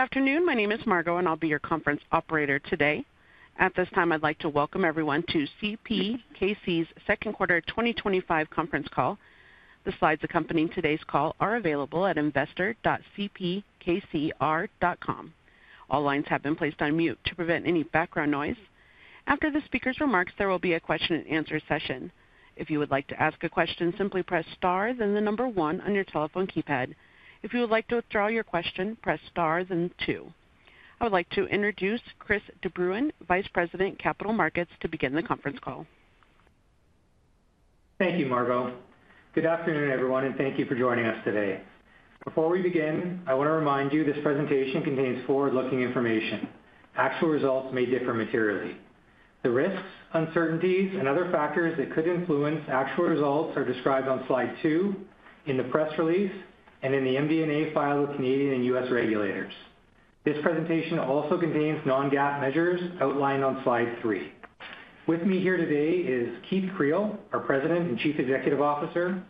Good afternoon, my name is Margo, and I'll be your conference operator today. At this time, I'd like to welcome everyone to CPKC's second quarter 2025 conference call. The slides accompanying today's call are available at investor.cpkcr.com. All lines have been placed on mute to prevent any background noise. After the speaker's remarks, there will be a question-and-answer session. If you would like to ask a question, simply press star then the number one on your telephone keypad. If you would like to withdraw your question, press star then two. I would like to introduce Chris de Bruyn, Vice President, Capital Markets, to begin the conference call. Thank you, Margo. Good afternoon, everyone and thank you for joining us today. Before we begin, I want to remind you this presentation contains forward-looking information. Actual results may differ materially. The risks, uncertainties and other factors that could influence actual results are described on. Slide two in the press release and. In the MDA filed with Canadian and U.S. regulators. This presentation also contains non-GAAP measures. Outlined on slide three. With me here today is Keith Creel, our President and Chief Executive Officer,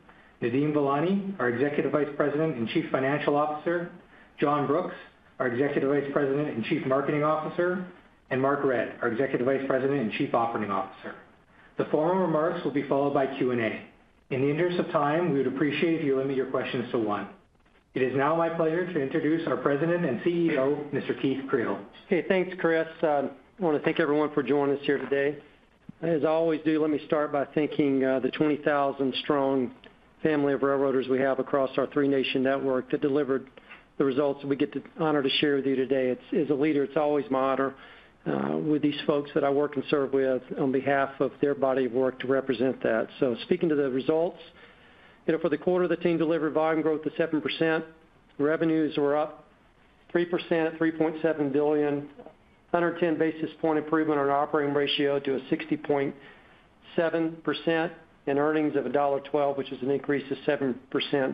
Nadeem Velani, our Executive Vice President and Chief Financial Officer, John Brooks, our Executive Vice President and Chief Marketing Officer, and Mark Redd, our Executive Vice President and Chief Operating Officer. The formal remarks will be followed by Q and A. In the interest of time, we would. Appreciate if you limit your questions to one. It is now my pleasure to introduce. Our President and CEO, Mr. Keith Creel. Okay, thanks Chris. I want to thank everyone for joining us here today. As I always do, let me start by thanking the 20,000 strong family of railroaders we have across our three nation network that delivered the results. We get the honor to share with you today. As a leader, it's always my honor with these folks that I work and serve with on behalf of their body of work to represent that. Speaking to the results for the quarter, the team delivered volume growth of 7%, revenues were up 3%. $3.7 billion, 110 basis point improvement on operating ratio to a 60.7%, and earnings of $1.12, which is an increase of 7%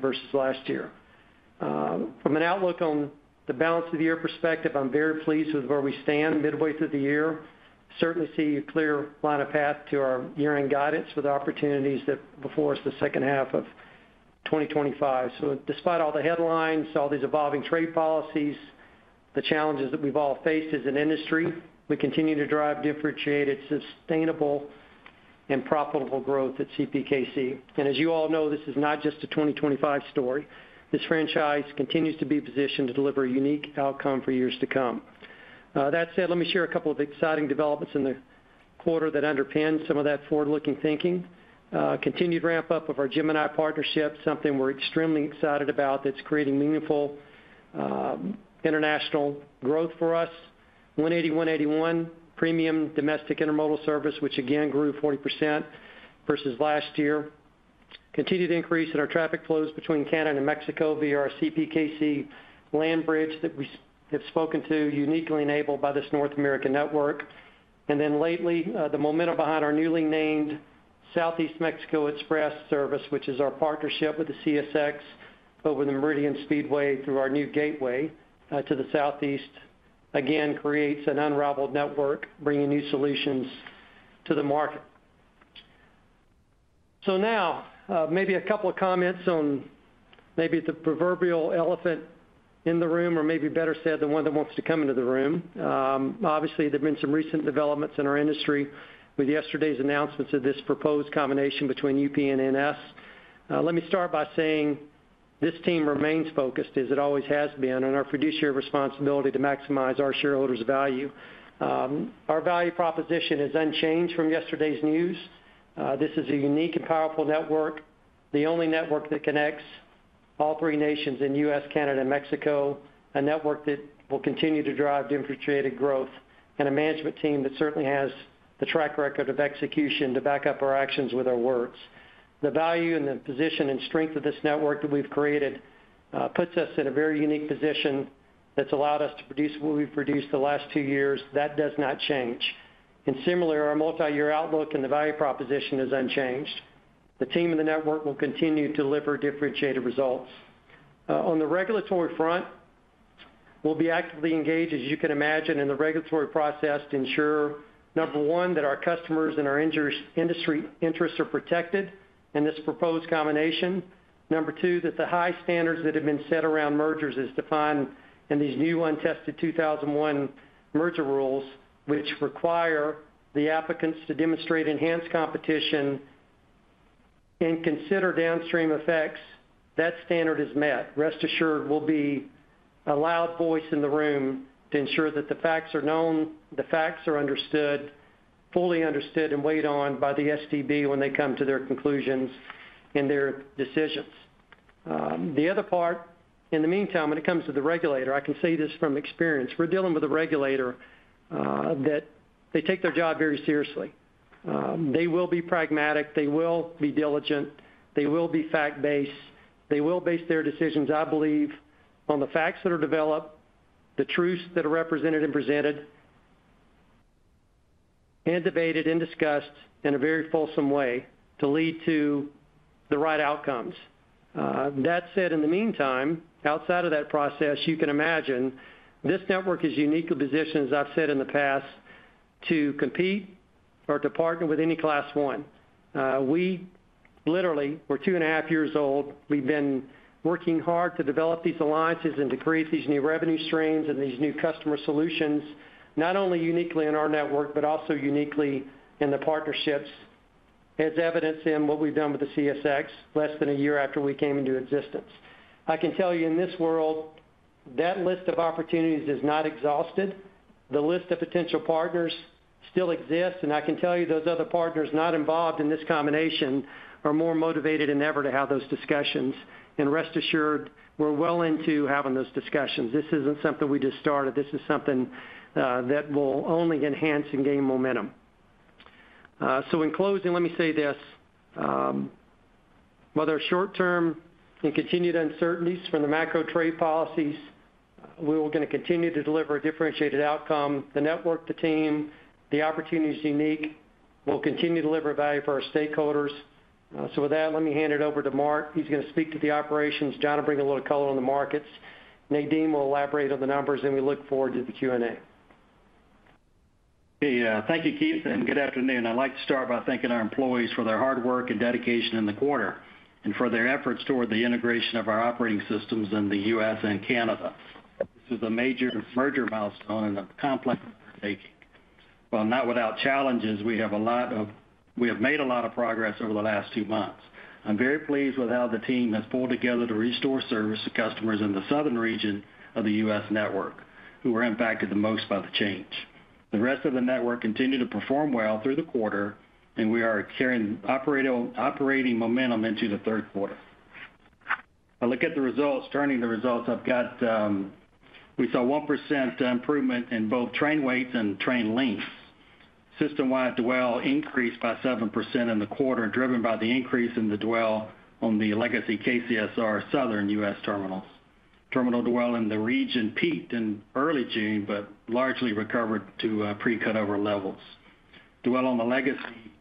versus last year. From an outlook on the balance of the year perspective, I'm very pleased with where we stand midway through the year. Certainly, see a clear line of path to our year end guidance for the opportunities that are before us the second half of 2025. Despite all the headlines, all these evolving trade policies, the challenges that we've all faced as an industry, we continue to drive differentiated, sustainable, and profitable growth at CPKC. As you all know, this is not just a 2025 story. This franchise continues to be positioned to deliver a unique outcome for years to come. That said, let me share a couple of exciting developments in the quarter that underpin some of that forward-looking thinking. Continued ramp up of our Gemini Partnership, something we're extremely excited about, that's creating meaningful international growth for us. 180, 181 premium domestic intermodal service, which again grew 40% versus last year. Continued increase in our traffic flows between Canada and Mexico via our CPKC land bridge that we have spoken to, uniquely enabled by this North American network. Lately, the momentum behind our newly named Southeast Mexico Express Service, which is our partnership with CSX over the Meridian Speedway through our new gateway to the Southeast, again creates an unrivaled network bringing new solutions to the market. Now maybe a couple of comments on maybe the proverbial elephant in the room, or maybe better said, the one that wants to come into the room. Obviously, there have been some recent developments in our industry with yesterday's announcements of this proposed combination between UP and NS. Let me start by saying this team remains focused, as it always has been, on our fiduciary responsibility to maximize our shareholders' value. Our value proposition is unchanged from yesterday's news. This is a unique and powerful network, the only network that connects all three nations in the U.S., Canada and Mexico, a network that will continue to drive infiltrated growth and a management team that certainly has the track record of execution to back up our actions with our words. The value and the position and strength of this network that we've created puts us in a very unique position that's allowed us to produce what we've produced the last two years. That does not change. Similarly, our multi-year outlook and the value proposition is unchanged. The team and the network will continue to deliver differentiated results. On the regulatory front, we'll be actively engaged, as you can imagine, in the regulatory process to ensure, number one, that our customers and our industry interests are protected. In this proposed combination, number two, that the high standards that have been set around mergers as defined in these new untested 2001 merger rules which require the applicants to demonstrate enhanced competition and consider downstream effects. That standard is met, rest assured, we will be a loud voice in the room to ensure that the facts are known, the facts are understood, fully understood and weighed on by the STB when they come to their conclusions and their decisions. The other part in the meantime, when it comes to the regulator, I can say this from experience, we're dealing with a regulator that takes their job very seriously. They will be pragmatic, they will be diligent, they will be fact-based. They will base their decisions, I believe, on the facts that are developed, the truths that are represented and presented and debated and discussed in a very fulsome way to lead to the right outcomes. That said, in the meantime, outside of that process, you can imagine this network is uniquely positioned, as I've said in the past, to compete or to partner with any Class I. We literally, we're two and a half years old. We've been working hard to develop these alliances and to create these new revenue streams and these new customer solutions not only uniquely in our network but also uniquely in the partnerships. As evidenced in what we've done with the CSX, less than a year after we came into existence, I can tell you in this world that list of opportunities is not exhausted. The list of potential partners still exists. I can tell you those other partners not involved in this combination are more motivated than ever to have those discussions. Rest assured, we're well into having those discussions. This isn't something we just started. This is something that will only enhance and gain momentum. In closing, let me say this. Whether short term and continued uncertainties from the macro trade policies, we are going to continue to deliver a differentiated outcome. The network, the team, the opportunity is unique. We'll continue to deliver value for our stakeholders. With that, let me hand it over to Mark. He's going to speak to the operations. John will bring a little color on the markets, Nadeem will elaborate on the numbers and we look forward to the Q and A. Thank you, Keith, and good afternoon. I'd like to start by thanking our. Employees for their hard work and dedication. In the quarter and for their efforts toward the integration of our operating systems in the U.S. and Canada through the major merger milestone and the complex undertaking. While not without challenges, we have made a lot of progress over the last two months. I'm very pleased with how the team has pulled together to restore service to customers in the southern region of the U.S. network who were impacted the most by the change. The rest of the network continued to perform well through the quarter and we are carrying operating momentum into the third quarter. I look at the results, turning the results I've got, we saw 1% improvement in both train weights and train length. System wide dwell increased by 7% in the quarter driven by the increase in the dwelling on the legacy KCSR southern U.S. terminals. Terminal dwell in the region peaked in early June but largely recovered to pre cutover levels. Dwell on the legacy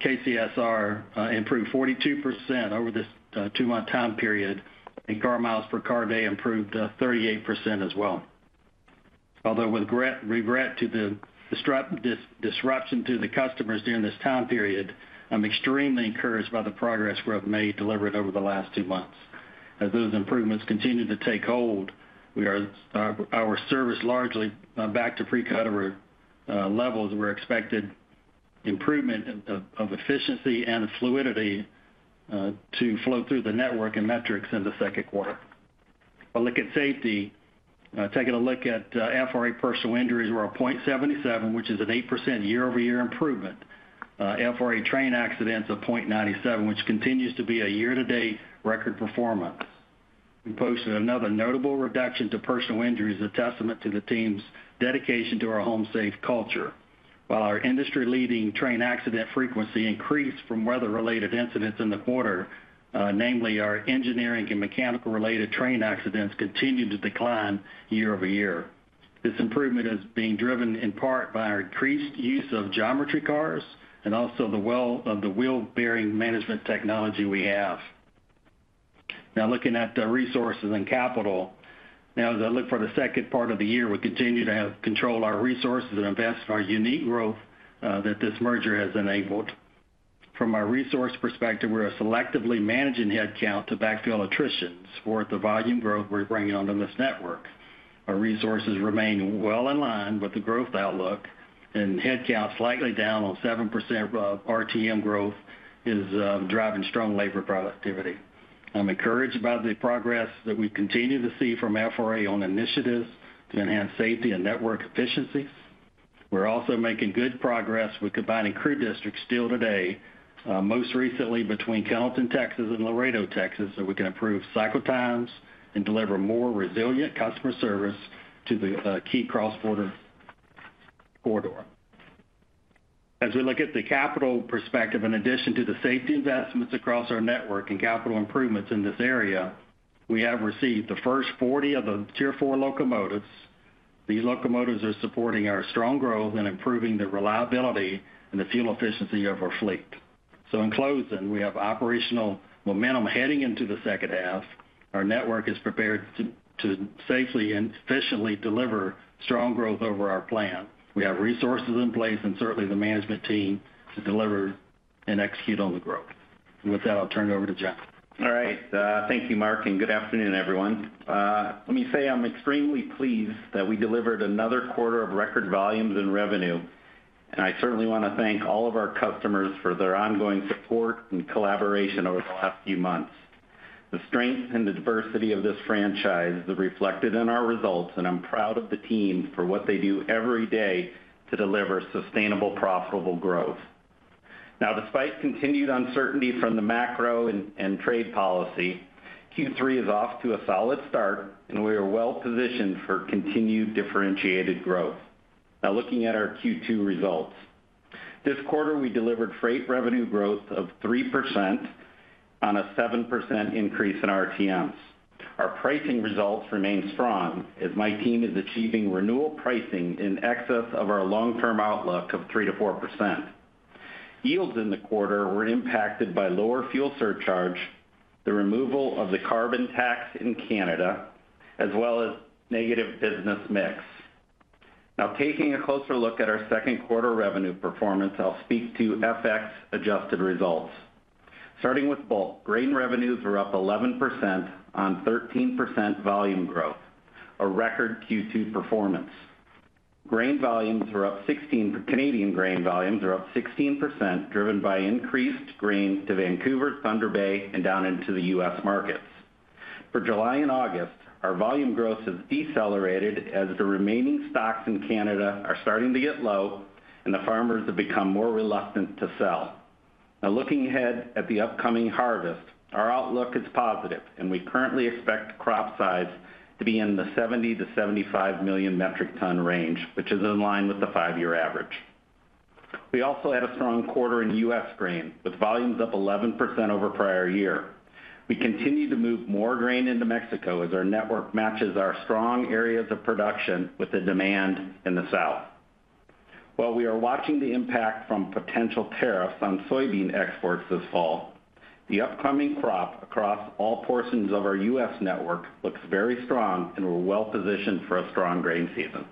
KCSR improved 42% over this two month time period and car miles per car day improved 38% as well. Although with regret to the disruption to the customers during this time period, I'm extremely encouraged by the progress we have made delivered over the last two months. As those improvements continue to take hold, our service largely back to pre-cutover levels. We're expected improvement of efficiency and fluidity to flow through the network and metrics in the second quarter. I look at safety. Taking a look at FRA personal injuries we're at 0.77% which is an 8% year-over-year improvement. FRA train accidents at 0.97% which continues to be a year to date range record performance. We posted another notable reduction to personal injuries, a testament to the team's dedication to our home safe culture. While our industry leading train accident frequency increased from weather related incidents in the quarter, namely our engineering and mechanical related train accidents continued to decline year-over-year. This improvement is being driven in part by our increased use of geometry cars and also the wheel bearing management technology we have now. Looking at the resources and capital now as I look for the second part of the year, we continue to control our resources and invest our unique growth that this merger has enabled. From our resource perspective, we are selectively managing headcount to backfill attrition support the volume growth we're bringing on this network. Our resources remain well in line with the growth outlook and headcount slightly down on 7%. RTM growth is driving strong labor productivity. I'm encouraged by the progress that we continue to see from FRA on initiatives to enhance safety and network efficiency. We're also making good progress with combining crew districts still today, most recently between Kendleton, Texas and Laredo, Texas so we can improve cycle times and deliver more resilient customer service to the key cross border corridor. As we look at the capital perspective, in addition to the safety investments across our network and capital improvements in this area, we have received the first 40 of the Tier 4 locomotives. The locomotives are supporting our strong growth and improving the reliability and the fuel efficiency of our fleet. In closing, we have operational momentum heading into the second half. Our network is prepared to safely and efficiently deliver strong growth over our plan. We have resources in place and certainly the management team to deliver and execute on the growth. With that, I'll turn it over to John. All right, thank you Mark and good afternoon everyone. Let me say I'm extremely pleased that we delivered another quarter of record volumes and revenue and I certainly want to thank all of our customers for their ongoing support and collaboration over the last few months. The strength and the diversity of this franchise reflected in our results and I'm proud of the team for what they do every day to deliver sustainable, profitable growth. Now, despite continued uncertainty from the macro and trade policy, Q3 is off to a solid start and we are well positioned for continued differentiated growth. Now looking at our Q2 results. This quarter we delivered freight revenue growth of 3% on a 7% increase in RTMs. Our pricing results remain strong as my team is achieving renewal pricing in excess of our long term outlook of 3%-4%. Yields in the quarter were impacted by lower fuel surcharge, the removal of the carbon tax in Canada as well as negative business mix. Now taking a closer look at our second quarter revenue performance, I'll speak to FX adjusted results starting with bulk grain. Revenues were up 11% on 13% volume growth, a record Q2 performance. Grain volumes are up 16%. Canadian grain volumes are up 16% driven by increased grain to Vancouver, Thunder Bay and down into the U.S. markets for July and August. Our volume growth has decelerated as the remaining stocks in Canada are starting to get low and the farmers have become more reluctant to sell. Now looking ahead at the upcoming harvest, our outlook is positive and we currently expect crop size to be in the 70-75 million metric ton range which is in line with the five year average. We also had a strong quarter in U.S. grain with volumes up 11% over prior year. We continue to move more grain into Mexico as our network matches our strong areas of production with the demand in the South. While we are watching the impact from potential tariffs on soybean exports this fall, the upcoming crop across all portions of our U.S. network looks very strong and we're well positioned for a strong grain season.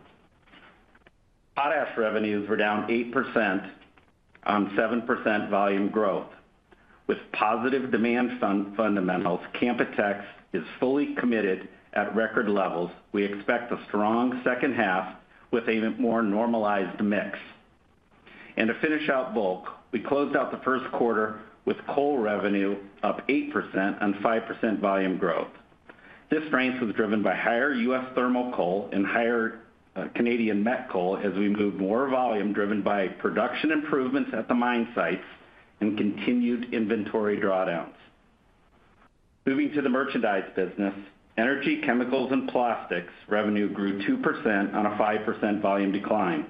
Potash revenues were down 8% on 7% volume growth. With positive demand fundamentals, Campotex is fully committed at record levels. We expect a strong second half with a more normalized mix and to finish out bulk we closed out the first quarter with coal revenue up 8% on 5% volume growth. This strength was driven by higher U.S. thermal coal and higher Canadian Met coal as we moved more volume driven by production improvements at the mine sites and continued inventory drawdowns. Moving to the merchandise business, energy, chemicals and plastics revenue grew 2% on a 5% volume decline.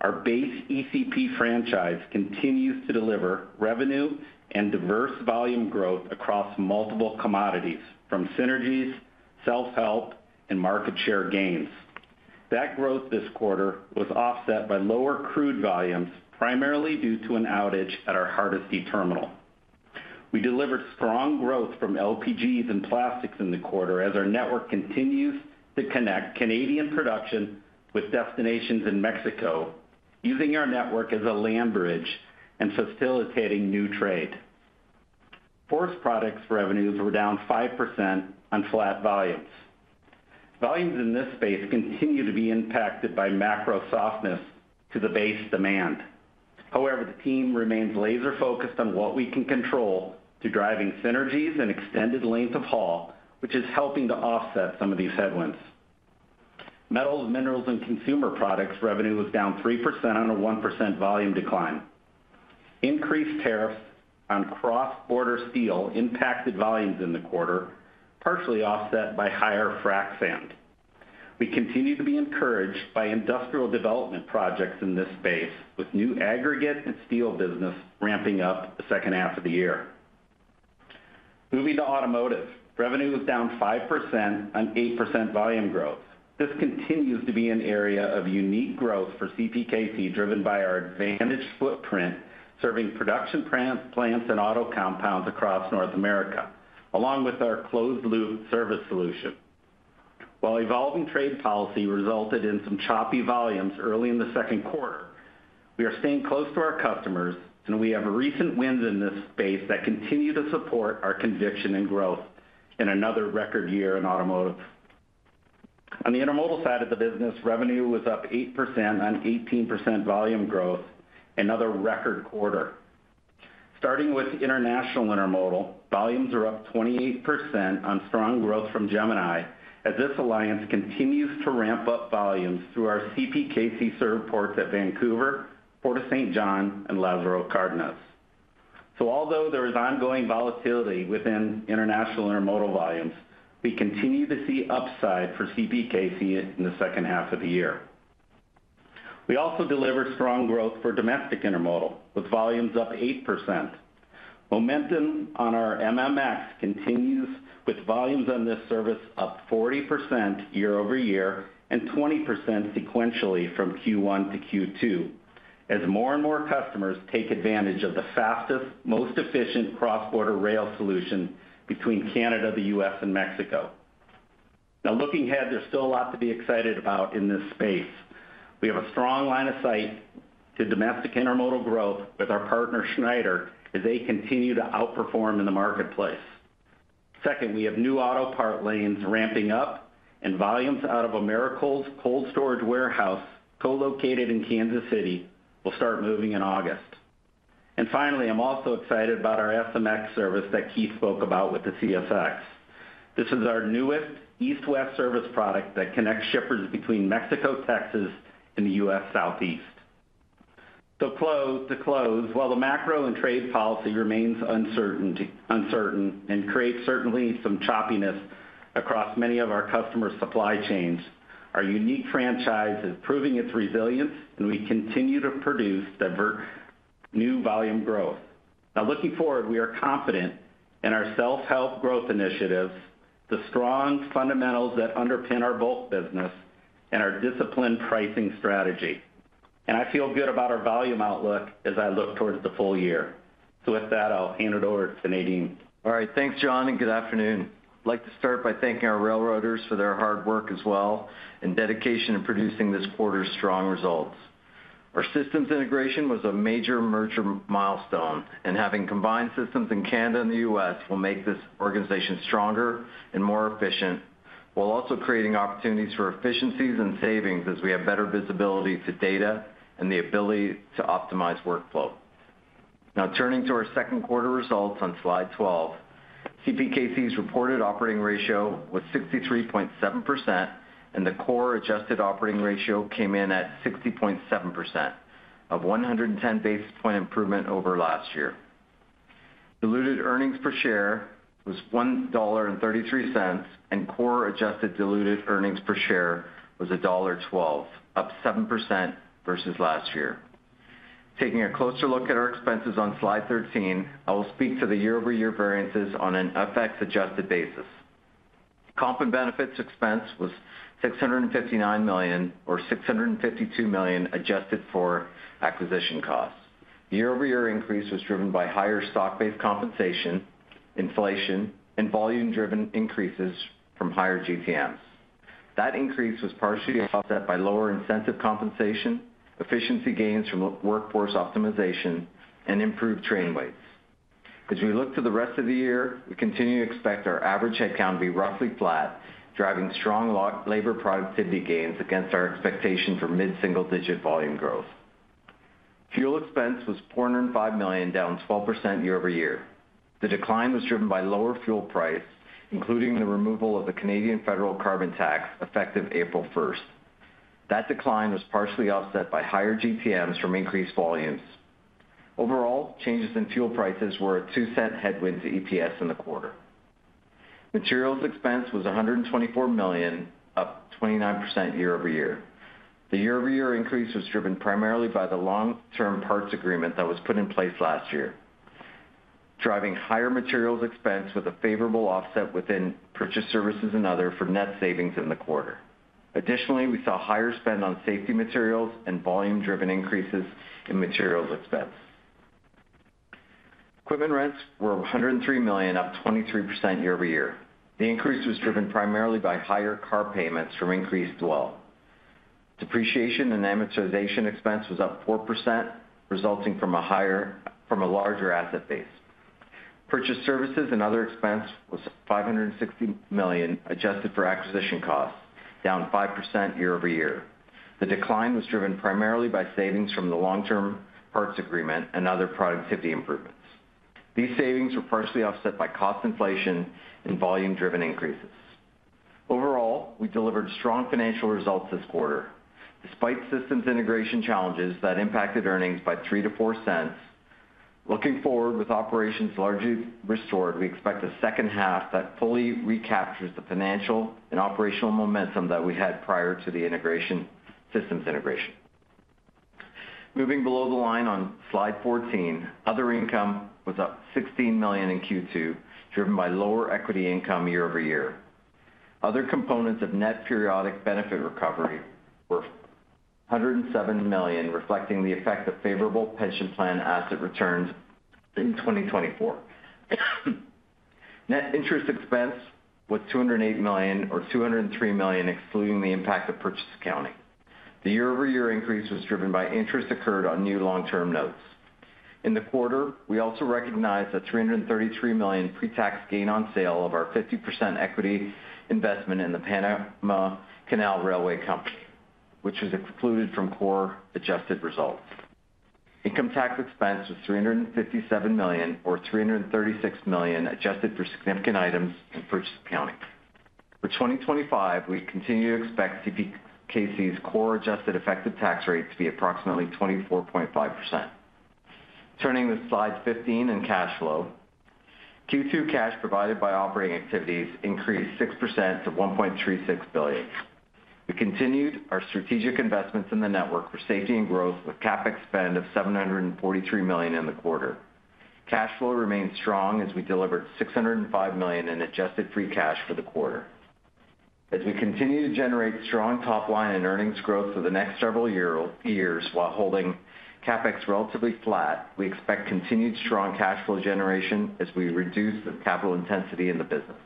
Our base ECP franchise continues to deliver revenue and diverse volume growth across multiple commodities from synergies, self help and market share gains. That growth this quarter was offset by lower crude volumes primarily due to an outage at our Hardesty terminal. We delivered strong growth from LPGs and plastics in the quarter as our network continues to connect Canadian production with destinations in Mexico. Using our network as a land bridge and facilitating new trade, forest products revenues were down 5% on flat volumes. Volumes in this space continue to be impacted by macro softness to the base demand. However, the team remains laser focused on what we can control to driving synergies and extended length of haul which is helping to offset some of these headwinds. Metals, minerals and consumer products revenue was down 3% on a 1% volume decline. Increased tariffs on cross border steel impacted volumes in the quarter, partially offset by higher frac sand. We continue to be encouraged by industrial development projects in this space with new aggregate and steel business ramping up the second half of the year. Moving to automotive, revenue was down 5% on 8% volume growth. This continues to be an area of unique growth for CPKC driven by our advantaged footprint serving production plants and auto compounds across North America along with our closed loop service solution. While evolving trade policy resulted in some choppy volumes early in the second quarter, we are staying close to our customers and we have recent wins in this space that continue to support our conviction in growth in another record year in automotive. On the intermodal side of the business, revenue was up 8% on 18% volume growth. Another record quarter, starting with international intermodal, volumes are up 28% on strong growth from Gemini as this alliance continues to ramp up volumes through our CPKC-served ports at Vancouver, Port of St. John and Lazaro Cardenas. Although there is ongoing volatility within international intermodal volumes, we continue to see upside for CPKC in the second half of the year. We also delivered strong growth for domestic intermodal with volumes up 8%. Momentum on our MMS continues with volumes on this service up 40% year-over-year and 20% sequentially from Q1 to Q2 as more and more customers take advantage of the fastest, most efficient cross border rail solution between Canada, the U.S. and Mexico. Now looking ahead, there is still a lot to be excited about in this space. We have a strong line of sight to domestic intermodal growth with our partner Schneider as they continue to outperform in the marketplace. Second, we have new auto part lanes ramping up and volumes out of Americold's cold storage warehouse co-located in Kansas City will start moving in August. Finally, I am also excited about our FMX service that Keith spoke about with the CFX. This is our newest east-west service product that connects shippers between Mexico, Texas and the U.S. Southeast. To close. While the macro and trade policy remains uncertain and creates certainly some choppiness across many of our customers' supply chains, our unique franchise is proving its resilience and we continue to produce diverse new volume growth. Now looking forward we are confident in our self help growth initiatives, the strong fundamentals that underpin our bulk business and our disciplined pricing strategy and I feel good about our volume outlook as I look towards the full year. With that I'll hand it over to Nadeem. All right, thanks John and good afternoon. I'd like to start by thanking our railroaders for their hard work as well and dedication in producing this quarter's strong results. Our systems integration was a major merger milestone and having combined systems in Canada and the U.S. will make this organization stronger and more efficient while also creating opportunities for efficiencies and savings as we have better visibility to data and the ability to optimize workflow. Now turning to our second quarter results on Slide 12, CPKC's reported operating ratio was 63.7% and the core adjusted operating ratio came in at 60.7%, a 110 basis point improvement over last year. Diluted earnings per share was $1.33 and core adjusted diluted earnings per share was $1.12, up 7% versus last year. Taking a closer look at our expenses on Slide 13, I will speak to the year-over-year variances on an FX adjusted basis. Comp and benefits expense was $659 million or $652 million adjusted for acquisition costs. The year-over-year increase was driven by higher stock-based compensation, inflation, and volume-driven increases from higher GTMs. That increase was partially offset by lower incentive compensation, efficiency gains from workforce optimization, and improved train weights. As we look to the rest of the year, we continue to expect our average headcount to be roughly flat, driving strong labor productivity gains against our expectation for mid single-digit volume growth. Fuel expense was $405 million, down 12% year-over-year. The decline was driven by lower fuel price including the removal of the Canadian Federal carbon tax effective April 1st. That decline was partially offset by higher GTMs from increased volumes. Overall changes in fuel prices were a $0.02 headwind to EPS in the quarter. Materials expense was $124 million, up 29% year-over-year. The year-over-year increase was driven primarily by the long term parts agreement that was put in place last year driving higher materials expense with a favorable offset within purchase services and other for net savings in the quarter. Additionally, we saw higher spend on safety materials and volume driven increases in materials expense. Equipment rents were $103 million, up 23% year-over-year. The increase was driven primarily by higher car payments from increased dwell. Depreciation and amortization expense was up 4% resulting from a larger asset base. Purchased services and other expense was $560 million, adjusted for acquisition costs, down 5% year-over-year. The decline was driven primarily by savings from the long term parts agreement and other productivity improvements. These savings were partially offset by cost inflation and volume driven increases. Overall, we delivered strong financial results this quarter despite systems integration challenges that impacted earnings by $0.03-$0.04. Looking forward, with operations largely restored, we expect a second half that fully recaptures the financial and operational momentum that we had prior to the integration. Systems integration. Moving below the line on Slide 14, other income was up $16 million in Q2 driven by lower equity income year-over-year. Other components of net periodic benefit recovery were $107 million, reflecting the effect of favorable pension plan asset returns in 2024. Net interest expense was $208 million, or $203 million excluding the impact of purchase accounting. The year-over-year increase was driven by interest accrued on new long-term notes in the quarter. We also recognized a $333 million pre tax gain on sale of our 50% equity investment in the Panama Canal Railway Company, which was excluded from core adjusted results. Income tax expense was $357 million, or $336 million adjusted for significant items in purchase accounting for 2025. We continue to expect CPKC's core adjusted effective tax rate to be approximately 24.5%. Turning to Slide 15 and cash flow, Q2 cash provided by operating activities increased 6% to $1.36 billion. We continued our strategic investments in the network for safety and growth with CapEx spend of $743 million in the quarter. Cash flow remains strong as we delivered $605 million in adjusted free cash for the quarter as we continue to generate strong top line and earnings growth for the next several years while holding CapEx relatively flat. We expect continued strong cash flow generation as we reduce the capital intensity in the business.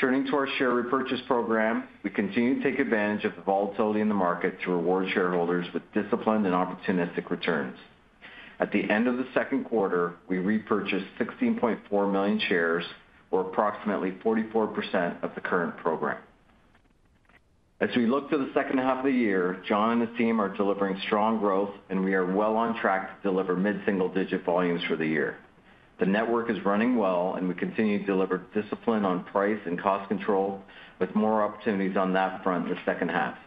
Turning to our share repurchase program, we continue to take advantage of the volatility in the market to reward shareholders with disciplined and opportunistic returns. At the end of the second quarter, we repurchased $16.4 million shares or approximately 44% of the current program. As we look to the second half of the year, John and his team are delivering strong growth and we are well on track to deliver mid single-digit volumes for the year. The network is running well and we continue to deliver discipline on price and cost control. With more opportunities on that front in the second half,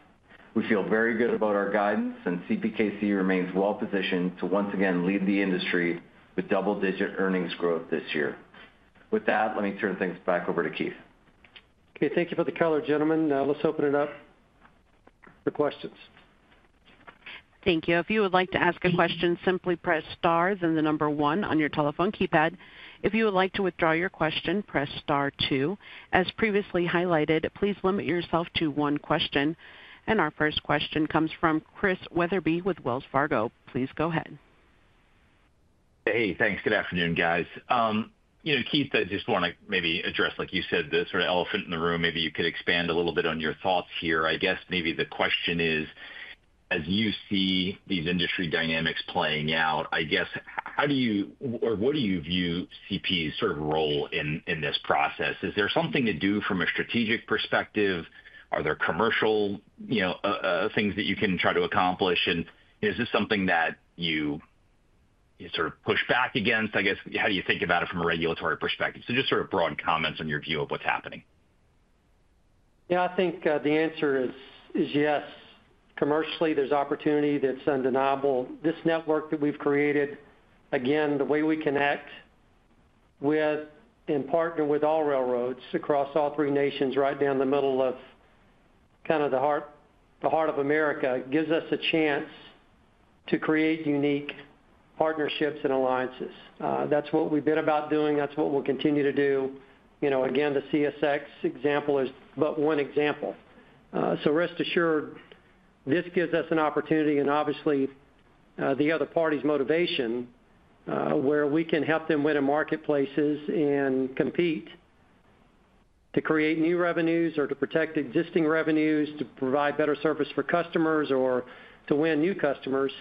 we feel very good about our guidance and CPKC remains well positioned to once again lead the industry with double-digit earnings growth this year. With that, let me turn things back over to Keith. Okay, thank you for the color, gentlemen. Now let's open it up for questions. Thank you. If you would like to ask a question, simply press star then the number one on your telephone keypad. If you would like to withdraw your question, press star two as previously highlighted. Please limit yourself to one question. Our first question comes from Chris Wetherbee with Wells Fargo. Please go ahead. Hey, thanks. Good afternoon, guys. You know, Keith, I just want to maybe address, like you said, the sort of elephant in the room. Maybe you could expand a little bit on your thoughts here. I guess maybe the question is, as you see these industry dynamics playing out, I guess, how do you or what do you view CPKC's sort of role in this process? Is there something to do from a strategic perspective? Are there commercial things that you can try to accomplish and is this something that you sort of push back against? I guess. How do you think about it from a regulatory perspective? Just sort of broad comments on your view of what's happening? Yeah, I think the answer is yes. Commercially, there's opportunity that's undeniable. This network that we've created, again, the way we connect, we had in-partner with all railroads across all three nations, right down the middle of kind of, the heart of America gives us a chance to create unique partnerships and alliances. That's what we've been about doing. That's what we'll continue to do. You know, again, the CSX example is but one example. Rest assured, this gives us an opportunity and obviously the other party's motivation where we can help them win in marketplaces and compete to create new revenues or to protect existing revenues, to provide better service for customers or to win new customers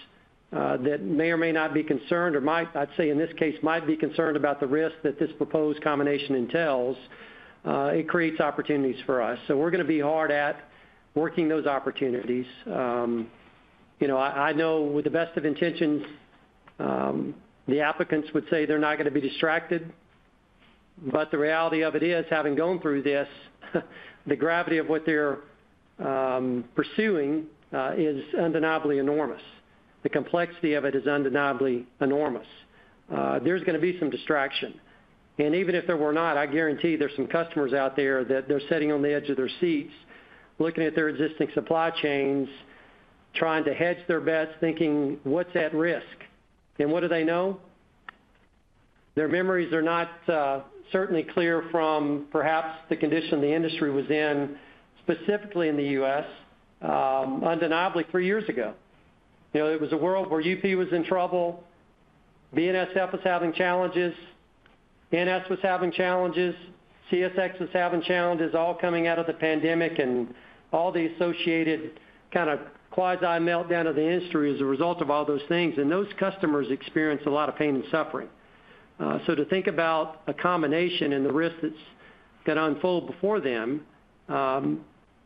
that may or may not be concerned or might, I'd say in this case might be concerned about the risk that this proposed combination entails. It creates opportunities for us, so we're going to be hard at working those opportunities. You know, I know with the best of intentions the applicants would say they're not going to be distracted. The reality of it is having gone through this, the gravity of what they're pursuing is undeniably enormous. The complexity of it is undeniably enormous. There's going to be some distraction. Even if there were not, I guarantee there's some customers out there that they're sitting on the edge of their seats looking at their existing supply chains, trying to hedge their bets, thinking what's at risk and what do they know? Their memories are not certainly clear from perhaps the condition the industry was in specifically in the U.S. undeniably three years ago. You know, it was a world where UP was in trouble, BNSF was having challenges, NS was having challenges, CSX was having challenges, all coming out of the pandemic and all the associated kind of quasi meltdown of the industry as a result of all those things. Those customers experience a lot of pain and suffering. To think about a combination and the risk that's going to unfold before them,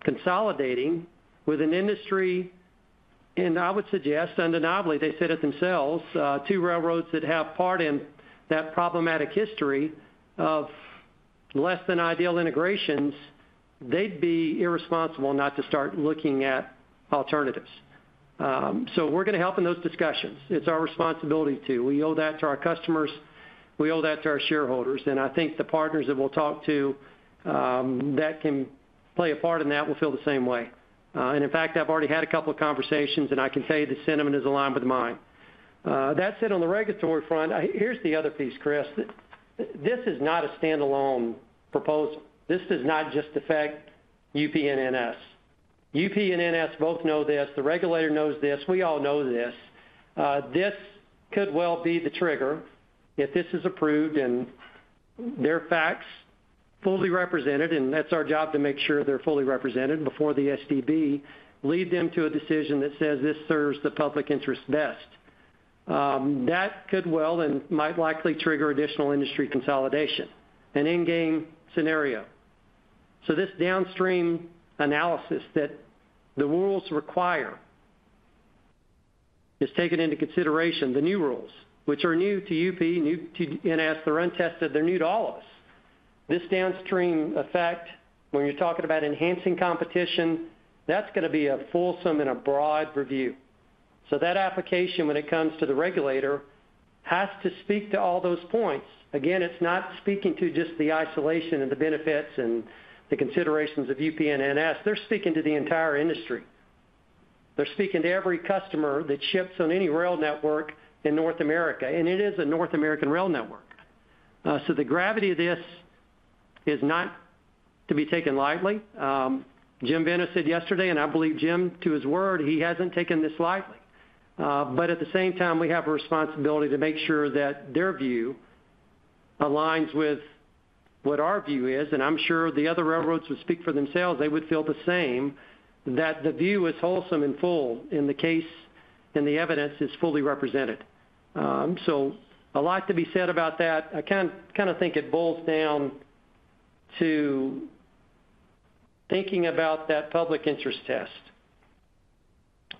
consolidating with an industry, and I would suggest undeniably they fit it themselves. Two railroads that have part in that problematic history of less than ideal integrations, they'd be irresponsible not to start looking at alternatives. We're going to help in those discussions. It's our responsibility to. We owe that to our customers, we owe that to our shareholders. I think the partners that we'll talk to that can play a part in that will feel the same way. In fact, I've already had a couple of conversations and I can tell you the sentiment is aligned with mine. That's it. On the regulatory front, here's the other piece, Chris. This is not a standalone proposal. This does not just affect UP and NS. UP and NS both know this, the regulator knows this, we all know this. This could well be the trigger if this is approved and their facts fully represented. That's our job to make sure they're fully represented. Before the STB leads them to a decision that says this serves the public interest best, that could well and might likely trigger additional industry consolidation, an end game scenario. This downstream analysis that the rules require is taken into consideration. The new rules, which are new to UP, new to NS, they're untested, they're new to all of us. This downstream effect, when you're talking about enhancing competition, that's going to be a fulsome and a broad review. That application, when it comes to the regulator, has to speak to all those points. Again, it's not speaking to just the isolation and the benefits and the considerations of UP and NS. They're speaking to the entire industry, they're speaking to every customer that ships on any rail network in North America and it is a North American rail network. The gravity of this is not to be taken lightly. Jim Vena said yesterday and I believe Jim to his word, he hasn't taken this lightly. At the same time we have a responsibility to make sure that their view aligns with what our view is. I'm sure the other railroads would speak for themselves, they would feel the same, that the view is wholesome and full in the case and the evidence is fully represented. A lot to be said about that. I kind of think it boils down to thinking about that public interest test.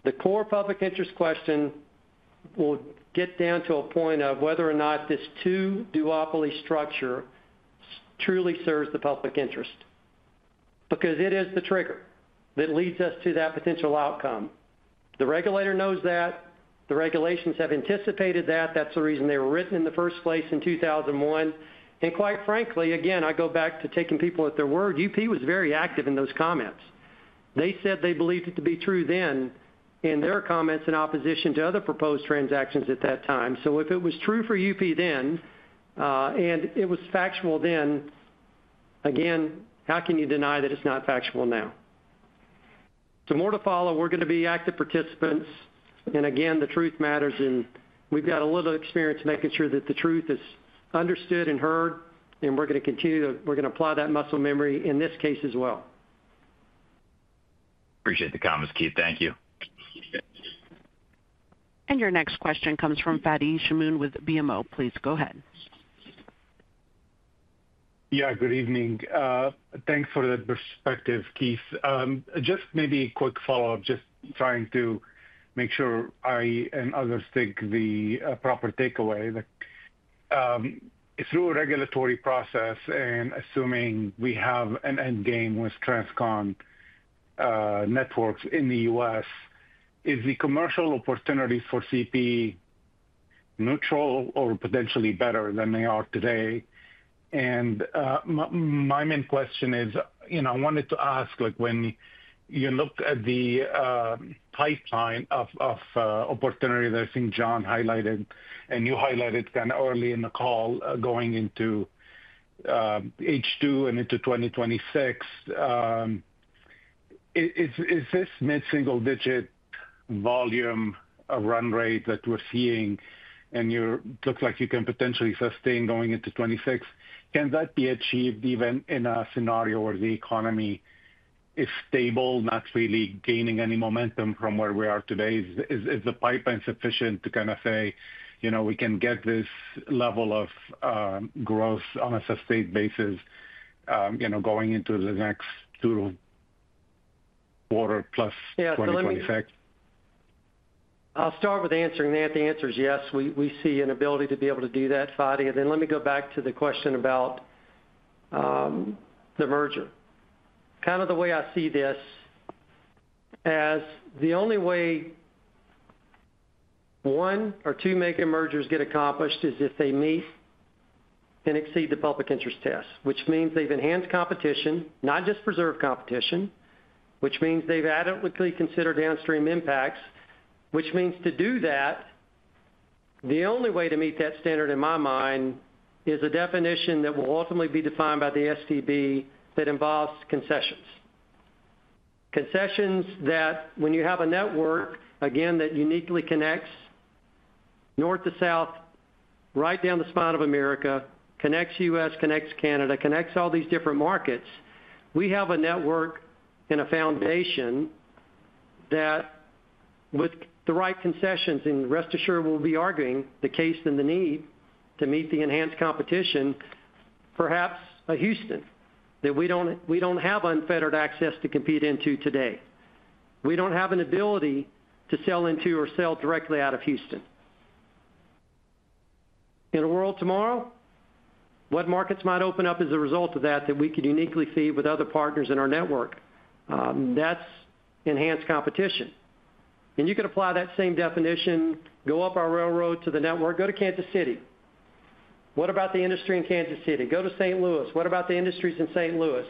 The core public interest question will get down to a point of whether or not this two duopoly structure truly serves the public interest because it is the trigger that leads us to that potential outcome. The regulator knows that, the regulations have anticipated that. That's the reason they were written in the first place in 2001. Quite frankly, again, I go back to taking people at their word. UP was very active in those comments. They said they believed it to be true then in their comments in opposition to other proposed transactions at that time. If it was true for UP then and it was factual then, again, how can you deny that it's not factual now? Some more to follow. We're going to be active participants and again the truth matters and we've got a little experience making sure that the truth is understood and heard. We're going to continue to, we're going to apply that muscle memory in this case as well. Appreciate the comments, Keith, thank you. Your next question comes from Fadi Chamoun with BMO. Please go ahead. Yeah, good evening. Thanks for that perspective, Keith. Just maybe quick follow up. Just trying to make sure I and others take the proper takeaway that through a regulatory process and assuming we have an end game with transcon networks in the U.S. is the commercial opportunities for CP neutral or potentially better than they are today? And my main question is, you know, I wanted to ask like when you looked at the pipeline of opportunity that St. John highlighted and you highlighted kind of early in the call going into H2 and into 2026. Is this mid-single-digit volume run rate that we're seeing, and it looks like you can potentially sustain going into 2026, can that be achieved even in a scenario where the economy is stable, not really gaining any momentum from where we are today? Is the pipeline sufficient to kind of say we can get this level of growth on a sustained basis? Going into the next two quarters plus 2020factors, I'll start with answering that. The answer is yes, we see an ability to be able to do that. Fadia, then let me go back to the question about the merger. Kind of the way I see this as the only way one or two make a mergers get accomplished is if they meet and exceed the public interest test, which means they've enhanced competition, not just preserve competition, which means they've adequately considered downstream impacts, which means to do that. The only way to meet that standard in my mind is a definition that will ultimately be defined by the STB that involves concessions. Concessions that when you have a network again that uniquely connects north to south, right down the spine of America, connects U.S., connects Canada, connects all these different markets, we have a network and a foundation that with the right concessions and rest assured we'll be arguing the case and the need to meet the enhanced competition. Perhaps a Houston that we don't, we don't have unfettered access to compete into today. We don't have an ability to sell into or sell directly out of Houston in a world tomorrow. What markets might open up as a result of that that we could uniquely feed with other partners in our network? That's enhanced competition. You can apply that same definition. Go up our railroad to the network. Go to Kansas City. What about the industry in Kansas City? Go to St. Louis. What about the industries in St. Louis?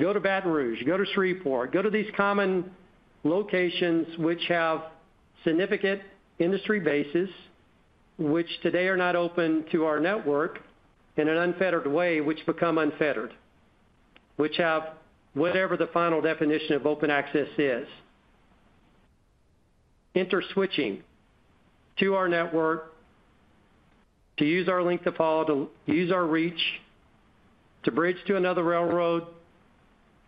Go to Baton Rouge, go to Shreveport, go to these common locations which have significant industry bases which today are not open to our network in an unfettered way, which become unfettered, which have whatever the final definition of open access is, interswitching to our network, to use our link, to follow, to use our reach to bridge to another railroad,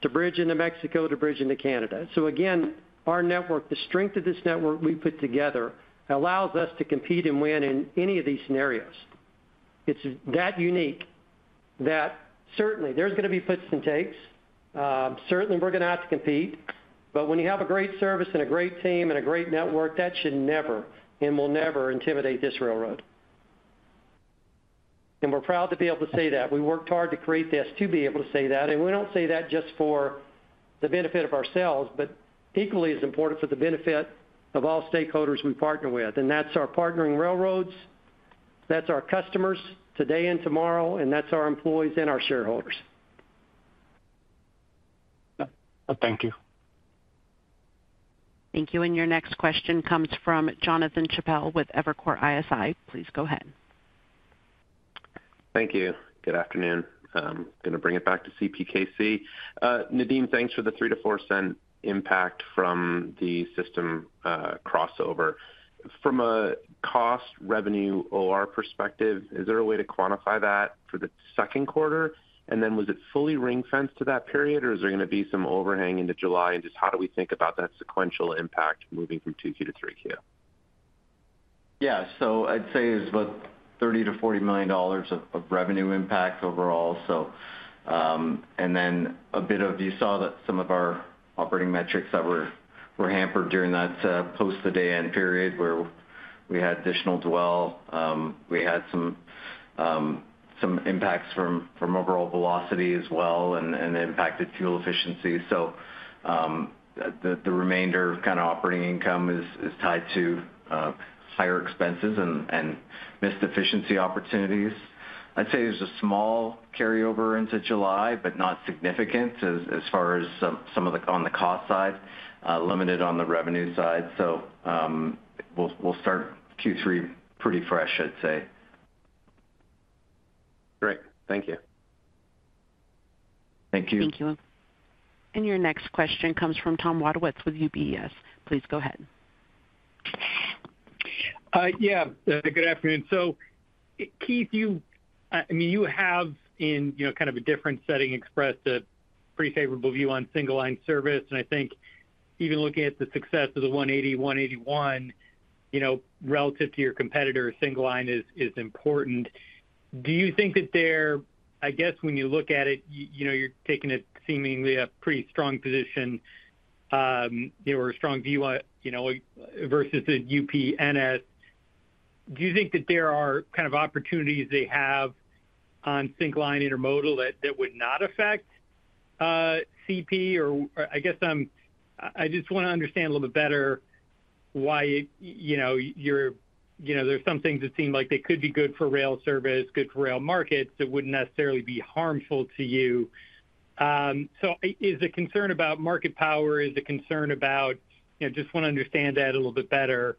to bridge into Mexico, to bridge into Canada. Our network, the strength of this network we put together allows us to compete and win in any of these scenarios. It's that unique that certainly there's going to be puts and takes, certainly we're going to have to compete. When you have a great service and a great team and a great network that should never and will never intimidate this railroad, and we're proud to be able to say that we worked hard to create this, to be able to say that, and we don't say that just for the benefit of ourselves, but equally as important for the benefit of all stakeholders we partner with. That's our partnering railroads, that's our customers today and tomorrow, and that's our employees and our shareholders. Thank you. Thank you. Your next question comes from Jonathan Chappell with Evercore ISI, please go ahead. Thank you. Good afternoon. Going to bring it back to CPKC. Nadeem, thanks. For the 3-4 cent impact from the system crossover from a cost, revenue or perspective, is there a way. To quantify that for the second quarter. Was it fully ring-fenced? To that period or is there going to be some overhang into July? Just how do we think about that sequential impact moving from 2Q to 3Q? Yeah, I'd say it was about $30 million-$40 million of revenue impact overall. You saw that some of our operating metrics were hampered during that post the day end period where we had additional dwell, we had some impacts from overall velocity as well, and impacted fuel efficiency. The remainder of operating income is tied to higher expenses and missed efficiency opportunities. I'd say there's a small carryover into July but not significant as far as on the cost side, limited on the revenue side. We'll start Q3 pretty fresh, I'd say. Great, thank you. Thank you. Thank you. Your next question comes from Tom Wadewitz with UBS. Please go ahead. Yeah, good afternoon. Keith, you, I mean you have in kind of a different setting expressed. A pretty favorable view on single-line service. I think even looking at the success of the 180, 181, you know, relative to your competitor, single-line is important. Do you think that there? I guess when you look at it, you know, you're taking a seemingly a pretty strong position or a strong view. You know, versus a UP, NS. Do you think that there are kind of opportunities they have on Single-Line Intermodal that would not affect CP or. I guess I just want to understand a little bit better why there are some things that seem like they could be good for rail service, good for rail markets that would not necessarily be harmful to you. Is the concern about market power, is the concern about. Just want to understand that a little bit better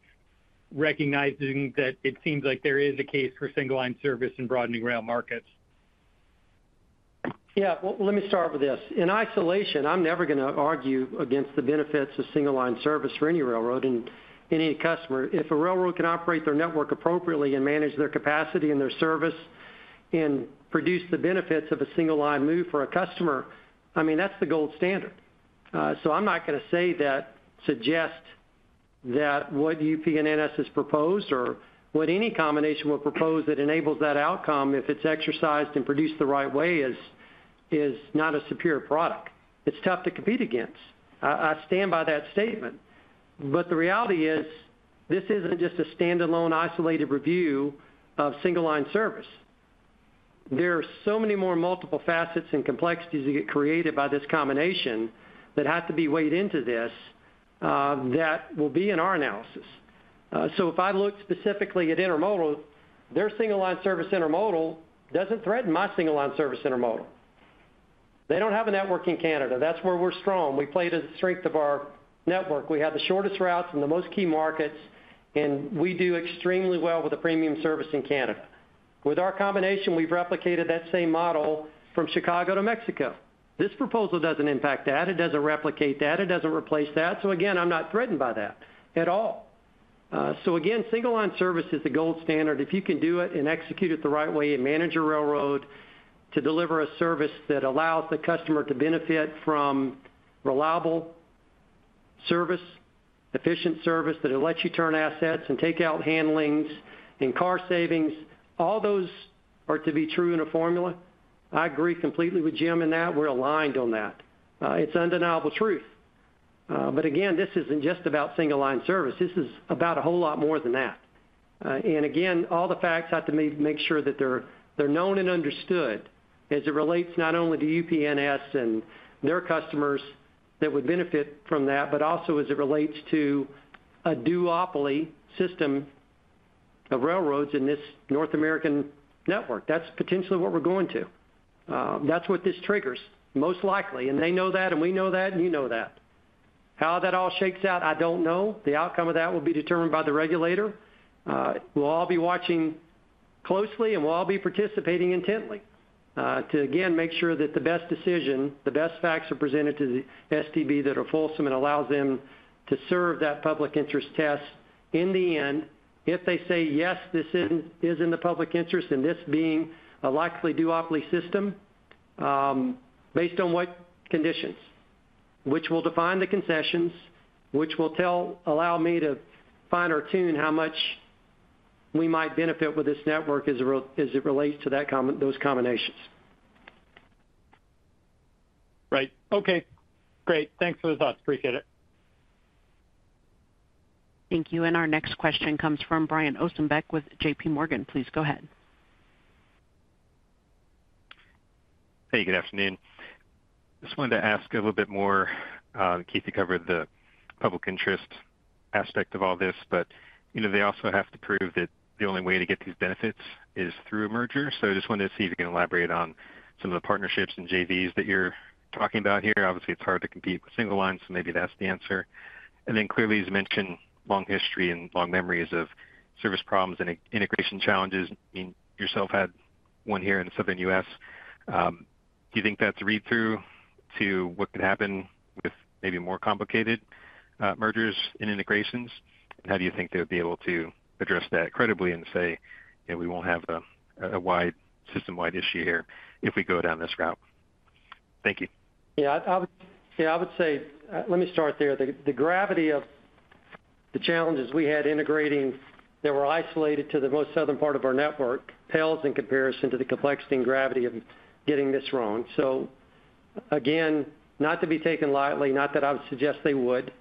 recognizing that it seems like there is a case for single-line service in broadening rail markets. Yeah, let me start with this in isolation. I'm never going to argue against the benefits of single-line service for any railroad and any customer. If a railroad can operate their network appropriately and manage their capacity and their service and produce the benefits of Single-Line move for a customer, I mean that's the gold standard. I'm not going to suggest that what UP and NS has proposed or what any combination will propose that enables that outcome, if it's exercised and produced the right way, is not a superior product. It's tough to compete against. I stand by that statement. The reality is this is not just a standalone isolated review of Single-Line service. There are so many more multiple facets and complexities that get created by this combination that have to be weighed into this that will be in our analysis. If I look specifically at Intermodal, their Single-Line service. Intermodal does not threaten my Single-Line service Intermodal; they do not have a network in Canada. That's where we're strong. We play to the strength of our network. We have the shortest routes and the most key markets and we do extremely well with the premium service in Canada. With our combination we've replicated that same model from Chicago to Mexico. This proposal does not impact that, it does not replicate that, it does not replace that. Again, I'm not threatened by that at all. Again, Single-Line service is the gold standard. If you can do it and execute it the right way and manage a railroad to deliver a service that allows the customer to benefit from reliable service, efficient service that will let you turn assets and take out handlings and car savings. All those are to be true in a formula. I agree completely with Jim in that we're aligned on that. It's undeniable truth. Again, this is not just about Single-Line service. This is about a whole lot more than that. Again, all the facts have to make sure that they're known and understood as it relates not only to UP and NS and their customers that would benefit from that, but also as it relates to a duopoly system of railroads in this North American network. That's potentially what we're going to, that's what this triggers most likely. They know that and we know that, and you know that. How that all shakes out, I don't know. The outcome of that will be determined by the regulator. We'll all be watching closely and we'll all be participating intently to again make sure that the best decision, the best facts are presented to the STB that are fulsome and allows them to serve that public interest test in the end, if they say yes, this is in the public interest and this being a likely duopoly system based on what conditions which will define the concessions, which will tell, allow me to finer tune how much we might benefit with this network as it relates to those combinations. Right, okay, great. Thanks for the thoughts. Appreciate it. Thank you. Our next question comes from Brian Ossenbeck with JPMorgan. Please go ahead. Hey, good afternoon. Just wanted to ask a little bit more, Keith. You covered the public interest aspect of all this, but you know, they also have to prove that the only way to get these benefits is through a merger. I just wanted to see if you can elaborate on some of the partnerships and JVs that you're talking about here. Obviously it's hard to compete with Single-Lines, so maybe that's the answer. Clearly, as mentioned, long history and long memories of service problems and integration challenges. Yourself had one here in southern U.S. Do you think that's a read through to what could happen with maybe more complicated mergers and integrations? How do you think they would be able to address that credibly and say we won't have a system wide issue here if we go down this route? Thank you. Yeah, I would say let me start there. The gravity of the challenges we had integrating that were isolated to the most southern part of our network pales in comparison to the complexity and gravity of getting this wrong. Not to be taken lightly, not that I would suggest they would,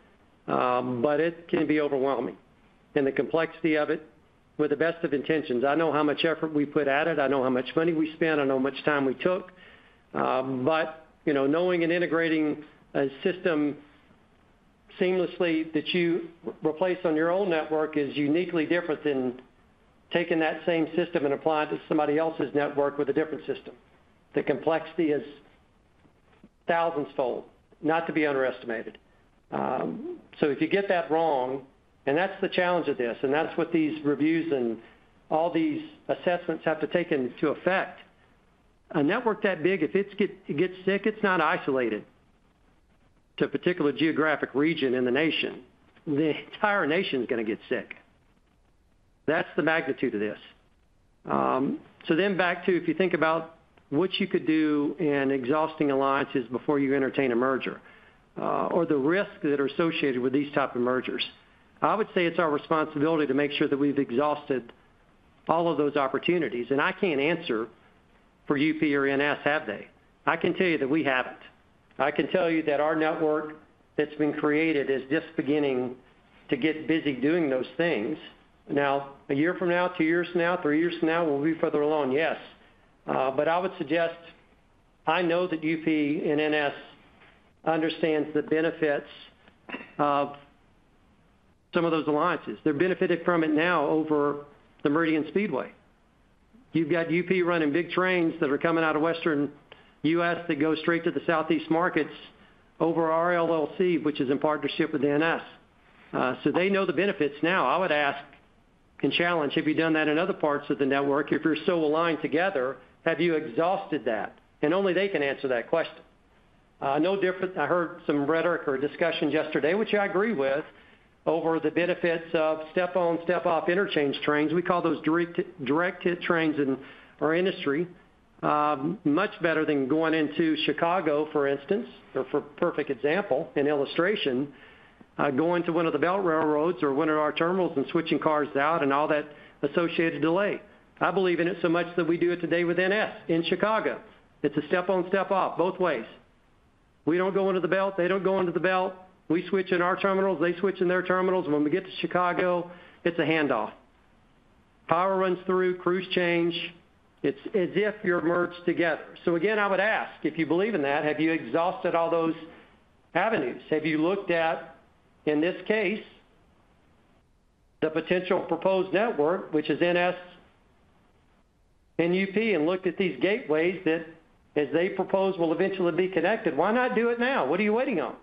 but it can be overwhelming. The complexity of it, with the best of intentions, I know how much effort we put at it. I know how much money we spent, I know how much time we took. But you know, knowing and integrating a system seamlessly that you replace on your own network is uniquely different than taking that same system and applying to somebody else's network with a different system. The complexity is thousands fold, not to be underestimated. If you get that wrong, and that's the challenge of this, and that's what these reviews and all these assessments have to take into effect. A network that big, if it gets sick, it's not isolated to a particular geographic region in the nation, the entire nation is going to get sick. That's the magnitude of this. If you think about what you could do in exhausting alliances before you entertain a merger or the risk that are associated with these type of mergers, I would say it's our responsibility to make sure that we've exhausted all of those opportunities. I can't answer for UP or NS. Have they? I can tell you that we haven't. I can tell you that our network that's been created is just beginning to get busy doing those things now. A year from now, two years from now, three years from now, we'll be further along. Yes, but I would suggest. I know that UP and NS understand the benefits of some of those alliances. They're benefited from it. Now over the Meridian Speedway you've got UP running big trains that are coming out of western US that go straight to the southeast markets over our LLC which is in partnership with NS so they know the benefits. I would ask and challenge have you done that in other parts of the network? If you're so aligned together, have you exhausted that? Only they can answer that question. No difference. I heard some rhetoric or discussion yesterday which I agree with over the benefits of step on, step off interchange trains. We call those direct hit trains in our industry. Much better than going into Chicago for instance or for perfect example an illustration going to one of the belt railroads or one of our terminals and switching cars out and all that associated delay. I believe in it so much that we do it today with NS in Chicago. It's a step on, step off both ways. We don't go into the belt, they don't go into the belt. We switch in our terminals, they switch in their terminals. When we get to Chicago it's a handoff. Power runs through, crews change. It's as if you're merged together. Again I would ask if you believe in that, have you exhausted all those avenues? Have you looked at in this case the potential proposed network which is NS and UP and looked at these gateways that as they propose will eventually be connected, why not do it now? What are you waiting on?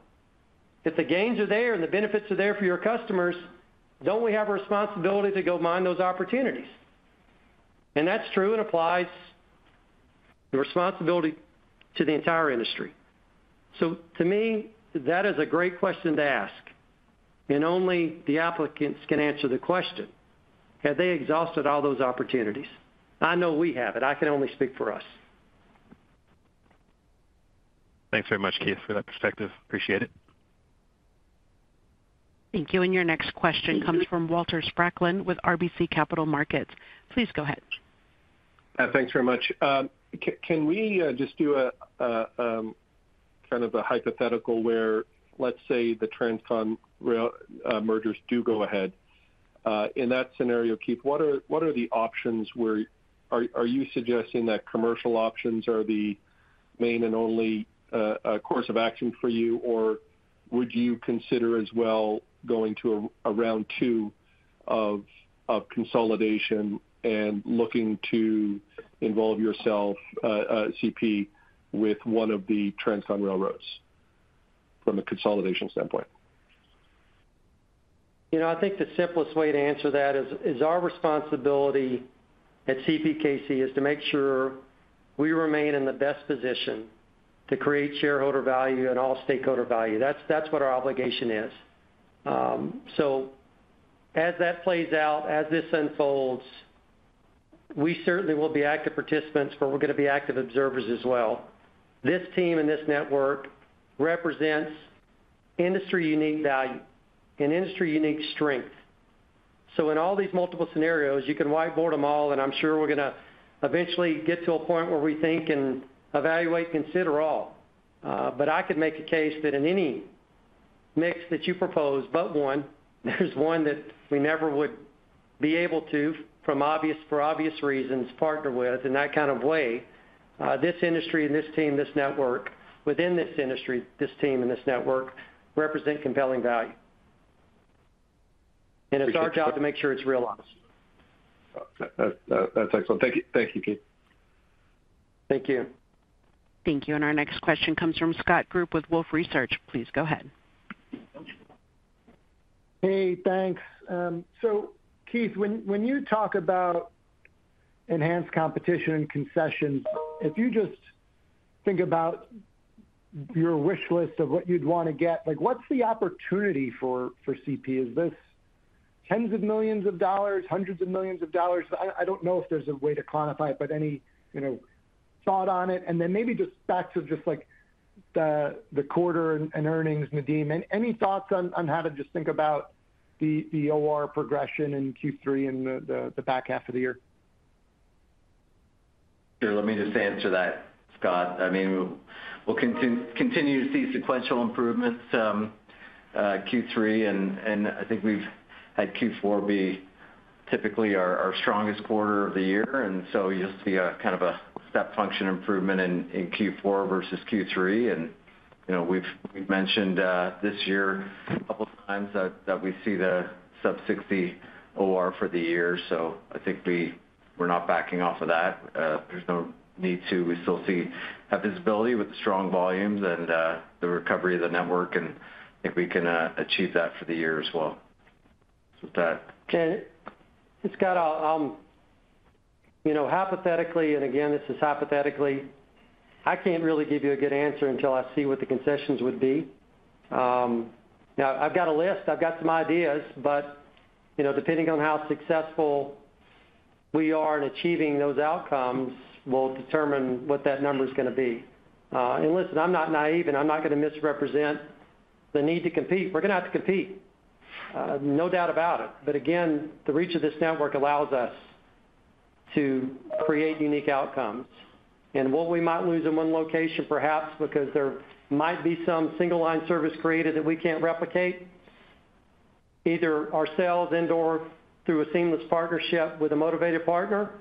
If the gains are there and the benefits are there for your customers, don't we have a responsibility to go mine those opportunities? That is true and applies the responsibility to the entire industry. To me that is a great question to ask and only the applicants can answer the question have they exhausted all those opportunities. I know we have. I can only speak for us. Thanks very much, Keith, for that perspective. Appreciate it. Thank you. Your next question comes from Walter Spracklin with RBC Capital Markets. Please go ahead. Thanks very much. Can we just do a kind of. A hypothetical where, let's say, the transcon mergers do go ahead in that scenario? Keith, what are the options? Where are you suggesting that commercial options are the main and only course of action for you or would you consider as well going to round 2 of consolidation and looking to involve yourself, CP, with one of the transcon railroads from a consolidation standpoint? You know, I think the simplest way to answer that is our responsibility at CPKC is to make sure we remain in the best position to create shareholder value and all stakeholder value. That is, that is what our obligation is. As that plays out, as this unfolds, we certainly will be active participants, but we are going to be active observers as well. This team and this network represents industry unique value and industry unique strength. In all these multiple scenarios, you can whiteboard them all. I am sure we are going to eventually get to a point where we think and evaluate, consider all. I could make a case that in any mix that you propose but one, there is one that we never would be able to, for obvious reasons, partner with in that kind of way. This industry and this team, this network within this industry, this team and this network represent compelling value and it is our job to make sure it is realized. That's excellent. Thank you, Keith. Thank you. Thank you. Our next question comes from Scott Group with Wolfe Research. Please go ahead. Hey, thanks. Keith, when you talk about enhanced competition and concessions, if you just think about your wish list of what you'd want to get, like what's the opportunity for CPKC? Is this tens of millions of dollars, hundreds of millions of dollars? I don't know if there's a way to quantify it, but any thought on it and then maybe just facts of just like the quarter and earnings. Nadeem, any thoughts on how to just think about the OR progression in Q3 and the back half of the year? Let me just answer that, Scott. I mean we'll continue to see sequential improvements Q3 and I think we've had Q4 be typically our strongest quarter of the year. You know, you'll see a kind of a step function improvement in Q4 versus Q3. You know, we've mentioned this year a couple times that we see the sub 60 OR for the year. I think we're not backing off of that. There's no need to. We still see have visibility with the strong volumes and the recovery of the network and if we can achieve that for the year as well. It's got a, you know, hypothetically and again, this is hypothetically. I can't really give you a good answer until I see what the concessions would be. Now I've got a list, I've got some ideas but you know, depending on how successful we are in achieving those outcomes will determine what that number is going to be. Listen, I'm not naive and I'm not going to misrepresent the need to compete. We're going to have to compete, no doubt about it. Again, the reach of this network allows us to create unique outcomes and what we might lose in one location, perhaps because there might be some Single-Line service created that we can't replicate either ourselves or through a seamless partnership with a motivated partner.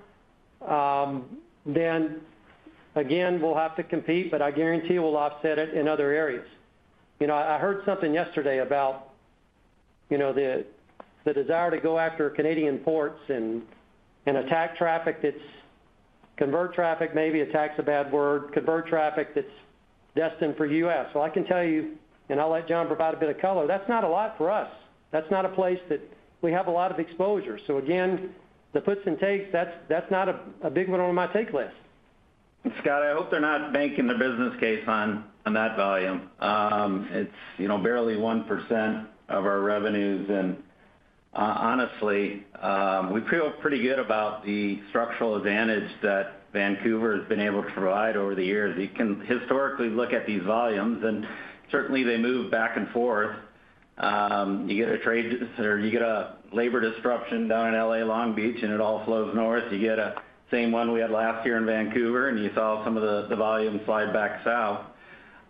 Again, we'll have to compete, but I guarantee we'll offset it in other areas. You know, I heard something yesterday about, you know, the desire to go after Canadian ports and convert traffic that's destined for U.S. I can tell you, and I'll let John provide a bit of color, that's not a lot for us. That's not a place that we have a lot of exposure. Again, the puts and takes, that's not a big one on my take list. Scott, I hope they're not banking the business case on that volume. It's, you know, barely 1% of our revenues and honestly we feel pretty good about the structural advantage that Vancouver has been able to provide over the years. You can historically look at these volumes and certainly they move back and forth. You get a trade or you get a labor disruption down in LA Long Beach and it all flows north. You get a same one we had last year in Vancouver and you saw some of the volume slide back south.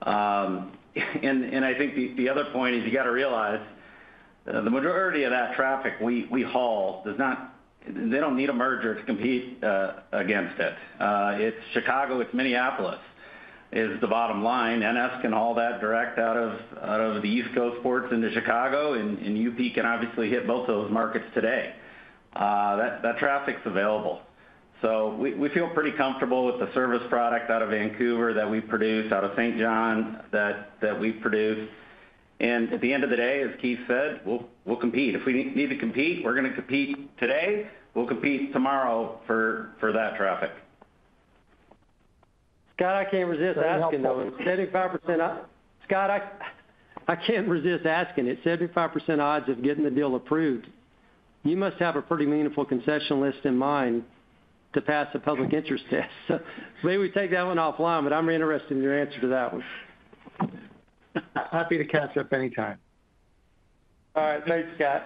I think the other point is you got to realize the majority of that traffic we haul does not, they don't need a merger to compete against it. It's Chicago at Minneapolis is the bottom line. NS can haul that direct out of the east coast ports into Chicago and UP can obviously hit both those markets today that traffic's available. We feel pretty comfortable with the service product out of Vancouver that we produce, out of St. John that we produce. At the end of the day, as Keith said, we'll compete if we need to compete. We're going to compete today, we'll compete tomorrow for that traffic. Scott, I can't resist. Scott, I can't resist asking it. 75% odds of getting the deal approved. You must have a pretty meaningful concession list in mind to pass a public interest test. Maybe we take that one offline. I'm interested in your answer to that one. Happy to catch up anytime. All right, thanks, Scottt.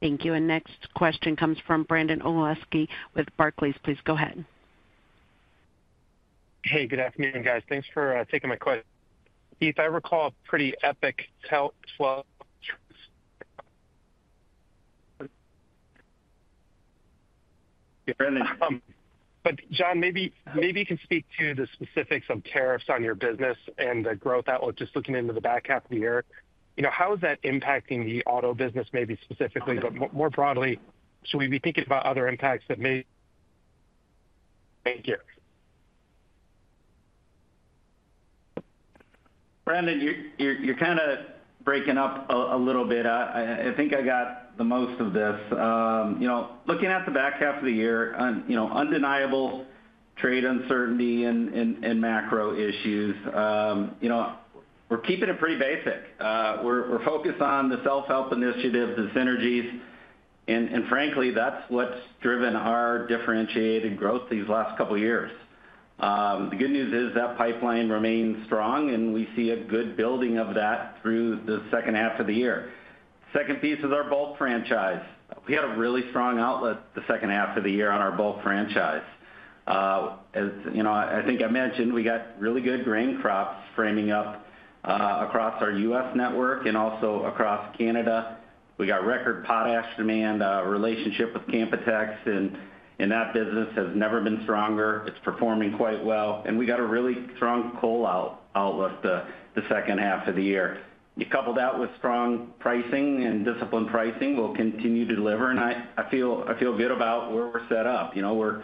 Thank you. Next question comes from Brandon Oglenski with Barclays. Please go ahead. Hey, good afternoon guys. Thanks for taking my question, Keith. I recall a pretty epic. John, maybe you can speak to the specifics of tariffs on your business and the growth outlook. Just looking into the back half of the year. You know, how is that impacting the auto business? Maybe specifically, but more broadly, should we be thinking about other impacts that may. Thank you. Brandon. You're kind of breaking up a little bit. I think I got the most of this. You know, looking at the back half of the year, you know, undeniable trade uncertainty and macro issues. You know, we're keeping it pretty basic. We're focused on the self help initiative, the synergies, and frankly that's what's driven our differentiated growth these last couple years. The good news is that pipeline remains strong and we see a good building of that through the second half of the year. Second piece is our bulk franchise. We had a really strong outlet the second half of the year on our bulk franchise. As you know, I think I mentioned we got really good grain crops framing up across our U.S. network and also across Canada. We got record potash demand relationship with Campotex and that business has never been stronger. It's performing quite well and we got a really strong coal outlook the second half of the year. You couple that with strong pricing and disciplined pricing, we'll continue to deliver and I feel good about where we're set up. You know,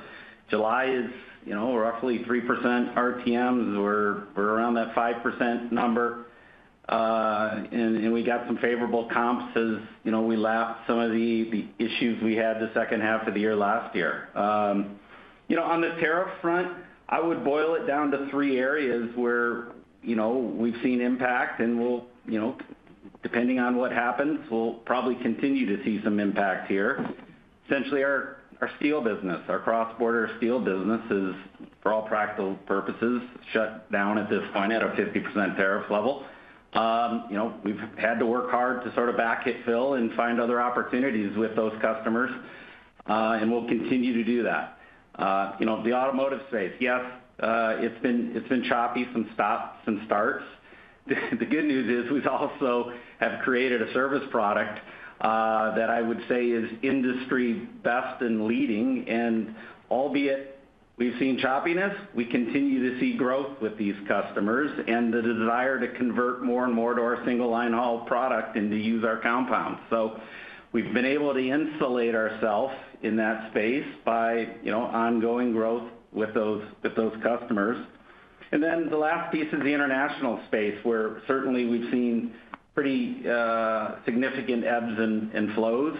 July is, you know, roughly 3% RTMs or we're around that 5% number and we got some favorable comps. As you know, we left some of the issues we had the second half of the year last year. You know, on the tariff front, I would boil it down to three areas where, you know, we've seen impact and we'll, you know, depending on what happens, we'll probably continue to see some impact here. Essentially, our steel business, our cross-border steel business is for all practical purposes shut down at this point at a 50% tariff level. You know, we've had to work hard to sort of bucket-fill and find other opportunities with those customers and we'll continue to do that. You know, the automotive space, yes, it's been, it's been choppy from stops and starts. The good news is we also have created a service product that I would say is industry best in leading and all be it we've seen choppiness; we continue to see growth with these customers and the desire to convert more and more to our Single-Line haul product in to use our compound. We've been able to insulate ourselves in that space by, you know, ongoing growth with those customers. The last piece is the international space where certainly we've seen pretty significant ebbs and flows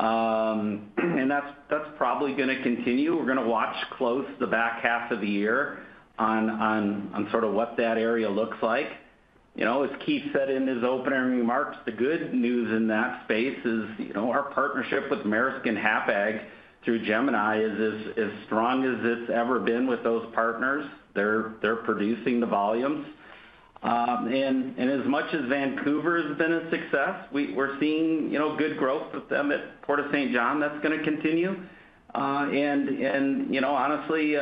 and that's probably going to continue. We're going to watch close the back half of the year on sort of what that area looks like. You know, as Keith said in his opening remarks, the good news in that space is, you know, our partnership with Maersk and Hapag-Lloyd through Gemini is as strong as it's ever been with those partners. They're producing the volumes. And as much as Vancouver has been a success, we're seeing good growth with them at Port of St. John. That's going to continue. Honestly,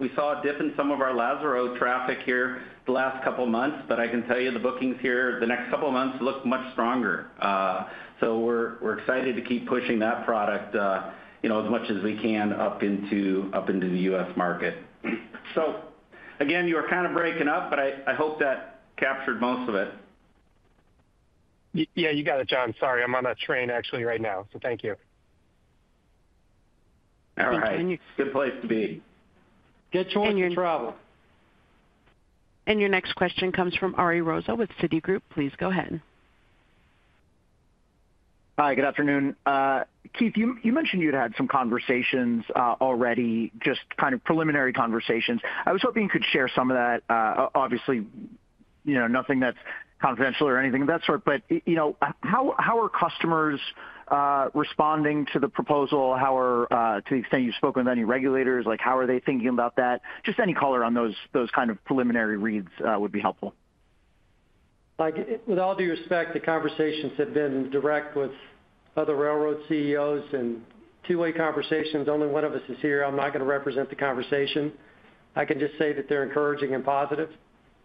we saw a dip in some of our Lazaro traffic here the last couple months, but I can tell you the bookings here the next couple of months look much stronger. We are excited to keep pushing that product, you know, as much as we can up into, up into the U.S. market. Again, you were kind of breaking up, but I hope that captured most of it. Yeah, you got it, John. Sorry, I'm on a train actually right now, so thank you. All right, good place to be. Continue your travel. Your next question comes from Ari Rosa with Citigroup. Please go ahead. Hi, good afternoon, Keith. You mentioned you'd had some conversations already. Just kind of preliminary conversations. I was hoping you could share some of that. Obviously, you know, nothing that's confidential or anything of that sort. You know, how are customers responding to the proposal? How are, to the extent you've spoken with any regulators, like how are they thinking about that? Just any color on those kind of preliminary reads would be helpful. With all due respect, the conversations have been direct with other railroad CEOs and two way conversations. Only one of us is here. I'm not going to represent the conversation. I can just say that they're encouraging and positive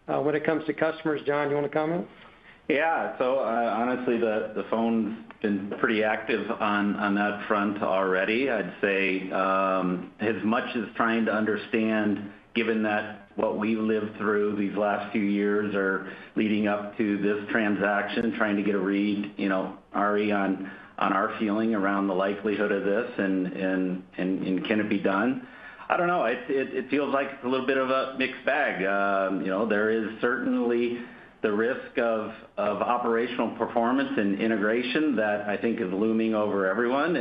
when it comes to customers. John, you want to comment? Yeah. So honestly, the phone's been pretty active on that front already. I'd say as much as trying to understand, given that what we live through these last few years are leading up to this transaction, trying to get a read, Ari, on our feeling around the likelihood of this and can it be done? I don't know. It feels like it's a little bit of a mixed bag. There is certainly the risk of operational performance and integration that I think is looming over everyone.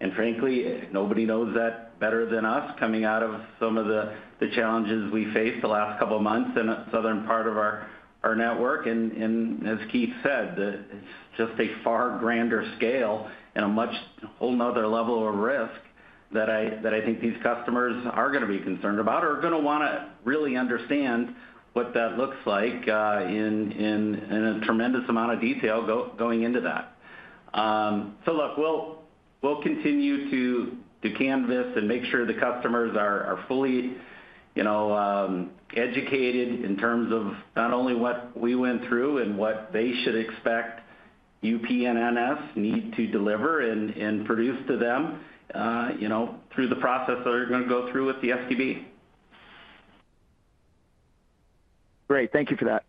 And frankly, nobody knows that better than us coming out of some of the challenges we faced the last couple of months in southern part of our network. As Keith said, it's just a far grander scale and a much whole another level of risk that I think these customers are going to be concerned about, are going to want to really understand what that looks like in a tremendous amount of detail going into that. Look, we'll continue to canvas and make sure the customers are fully, you know, educated in terms of not only what we went through in what they should expect UP and NS need to deliver and produce to them, you know, through the process that they're going to go. Through with the STB. Great. Thank you for that.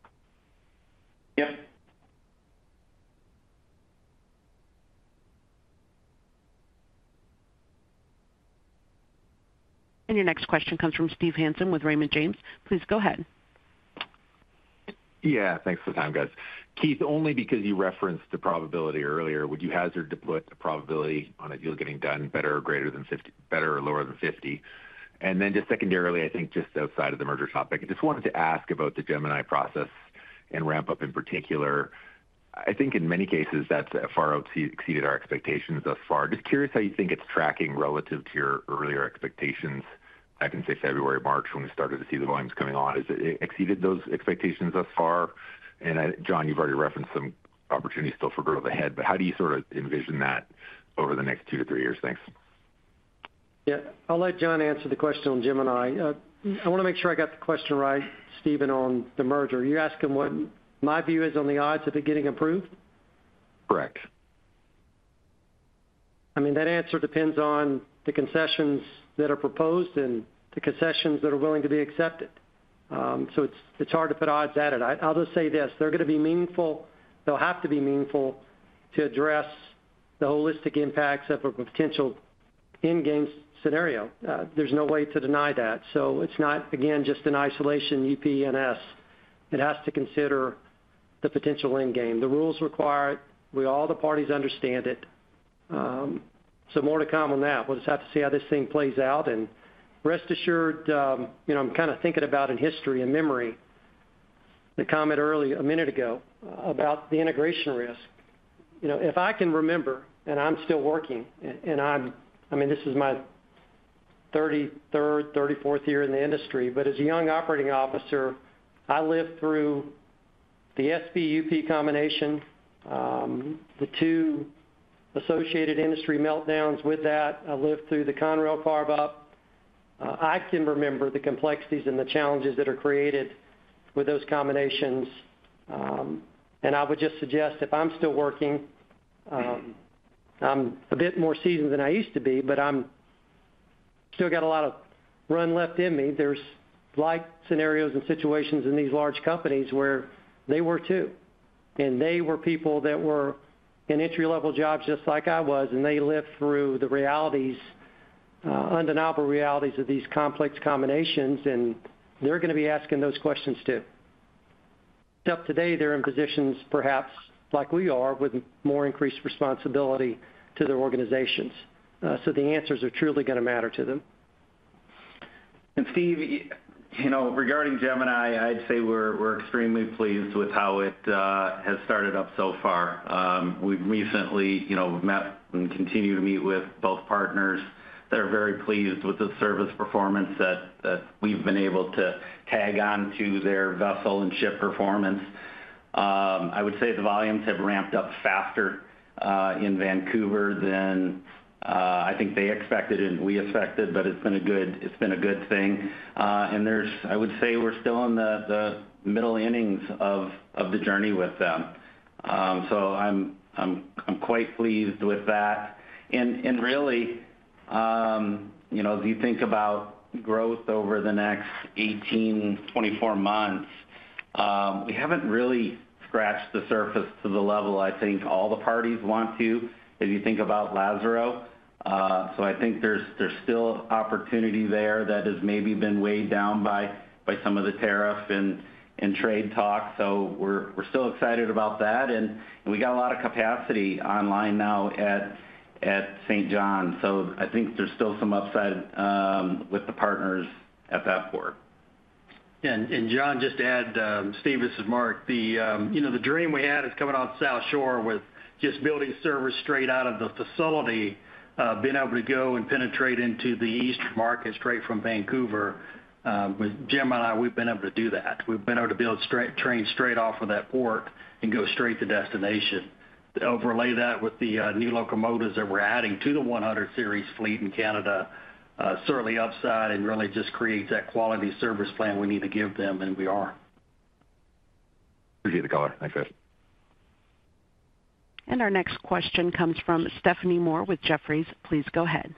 Yep. Your next question comes from Steve Hansen with Raymond James. Please go ahead. Yeah, thanks for the time, guys. Keith, only because you referenced the probability earlier, would you hazard to put a probability on a deal getting done better or greater than 50? Better or lower than 50. Just secondarily, I think just outside of the merger topic, I just wanted to ask about the Gemini process and ramp up in particular. I think in many cases that's far out exceeded our expectations thus far. Just curious how you think it's tracking relative to your earlier expectations. I can say February, March, when we started to see the volumes coming on. Has it exceeded those expectations thus far? John, you've already referenced some opportunities still for growth ahead, but how do you sort of envision that over the next two to three years? Thanks. Yeah, I'll let John answer the question on Gemini. I want to make sure I got the question right. Steve, on the merger, you ask him what my view is on the odds of it getting approved. Correct. I mean that answer depends on the concessions that are proposed and the concessions that are willing to be accepted. So it's hard to put odds at it. I'll just say this. They're going to be meaningful. They'll have to be meaningful to address the holistic impacts of a potential endgame scenario. There's no way to deny that. It's not again just in isolation UP and NS. It has to consider the potential endgame. The rules require it. We all the parties understand it. More to come on that. We'll just have to see how this thing plays out and rest assured. You know, I'm kind of thinking about in history and memory the comment early a minute ago about the integration risk. You know, if I can remember and I'm still working and I'm, I mean this is my 33rd, 34th year in the industry. As a young operating officer I lived through the SVUP combination, the two associated industry meltdowns with that. I lived through the Conrail carve up. I can remember the complexities and the challenges that are created with those combinations. I would just suggest if I'm still working, I'm a bit more seasoned than I used to be, but I've still got a lot of run left in me. There's like scenarios and situations in these large companies where they were too and they were people that were in entry level jobs just like I was and they live through the realities, undeniable realities of these complex combinations. They're going to be asking those questions too. Except today they're in positions perhaps like we are with more increased responsibility to their organizations. The answers are truly going to matter to them. Steve, you know, regarding Gemini, I'd say we're extremely pleased with how it has started up so far. We've recently, you know, met and continue to meet with both partners. They're very pleased with the service performance that we've been able to tag on to their vessel and ship performance. I would say the volumes have ramped up faster in Vancouver than I think they expected and we expected. It's been a good thing. I would say we're still in the middle innings of the journey with them. I'm quite pleased with that. Really, you know, as you think about growth over the next 18-24 months, we haven't really scratched the surface to the level I think all the parties want to, if you think about Lazaro. I think there's still opportunity there that has maybe been weighed down by some of the tariff and trade talk. We're still excited about that and we got a lot of capacity online now at St. John. I think there's still some upside with the partners at that port. John, just to add, Steve, this is Mark. The, you know, the dream we had. Is coming on South Shore with just. Building service straight out of the facility, being able to go and penetrate into the east market straight from Vancouver. With Jim and I, we've been able to do that. We've been able to build straight trains straight off of that port and go straight to destination. Overlay that with the new locomotives that we're adding to the 100 Series fleet in Canada. Certainly upside and really just creates that quality service plan we need to give them. We are. Appreciate the color, thanks guys. Our next question comes from Stephanie Moore with Jefferies. Please go ahead.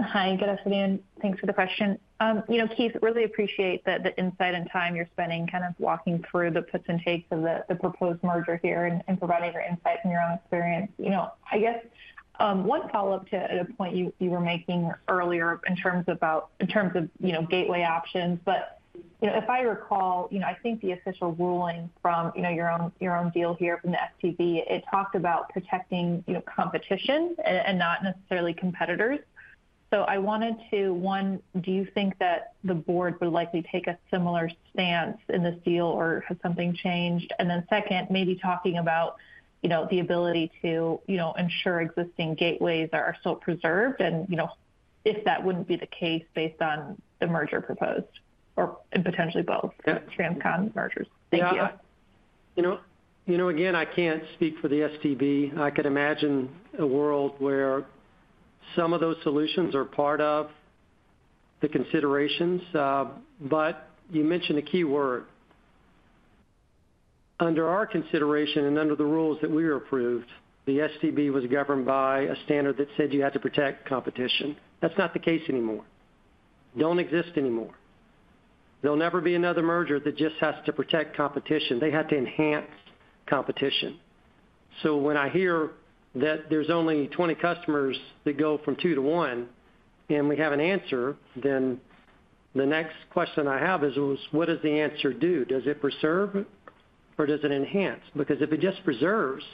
Hi, good afternoon. Thanks for the question. You know, Keith, really appreciate the insight and time you're spending kind of walking through the puts and takes of the proposed merger here and providing your insights and your own experience. I guess one follow up to the point you were making earlier in terms of, you know, gateway options. If I recall, I think the official ruling from your own deal here from the STB, it talked about protecting competition and not necessarily competitors. I wanted to, one, do you think that the board would likely take a similar stand in this deal or has something changed? And then second, maybe talking about the ability to ensure existing gateways are still preserved and if that wouldn't be the case based on the merger proposed or potentially both transcon mergers. Thank you. You know, again, I can't speak for the STB. I could imagine a world where some of those solutions are part of the considerations. You mentioned a key word. Under our consideration and under the rules that we were approved, the STB was governed by a standard that said you had to protect competition. That's not the case anymore. They don't exist anymore. There will never be another merger that just has to protect competition. They have to enhance competition. When I hear that there's only 20 customers that go from two to one and we have an answer, then the next question I have is what does the answer do? Does it preserve or does it enhance? Because if it just preserves,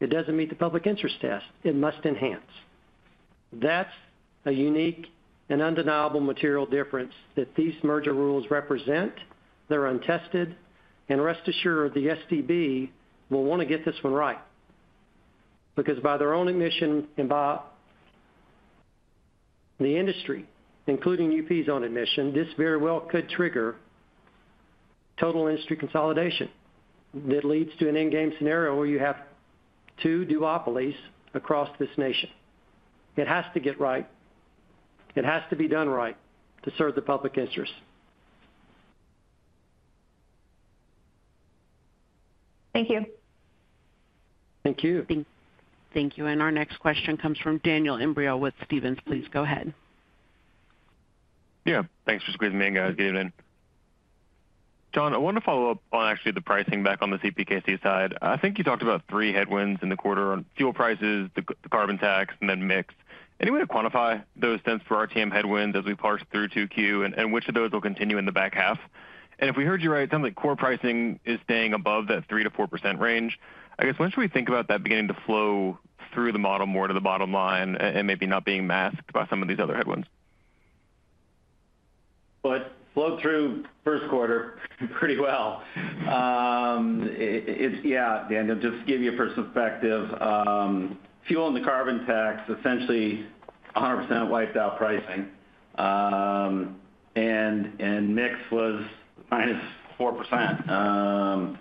it does not meet the public interest test. It must enhance. That's a unique and undeniable material difference that these merger rules represent. They're untested. Rest assured, the STB will want to get this one right because by their own admission and by the industry, including UP's own admission, this very well could trigger total industry consolidation. That leads to an endgame scenario where you have two duopolies across this nation. It has to get right, it has to be done right to serve the public interest. Thank you. Thank you. Thank you. Our next question comes from Daniel Imbro with Stephens. Please go ahead. Yeah, thanks for squeezing me in guys. Good evening, John. I want to follow up on actually the pricing back on the CPKC side. I think you talked about three headwinds in the quarter on fuel prices, the carbon tax and then mix. Any way to quantify those cents per RTM headwind as we parse through 2Q and which of those will continue in the back half? And if we heard you right, it sounds like core pricing is staying above that 3%-4% range. I guess when should we think about that beginning to flow through the model more to the bottom line and maybe not being masked by some of these other headwinds? It flowed through first quarter pretty well. Yeah. Dan, just to give you a perspective, fuel and the carbon tax essentially 100% wiped out pricing and mix was -4%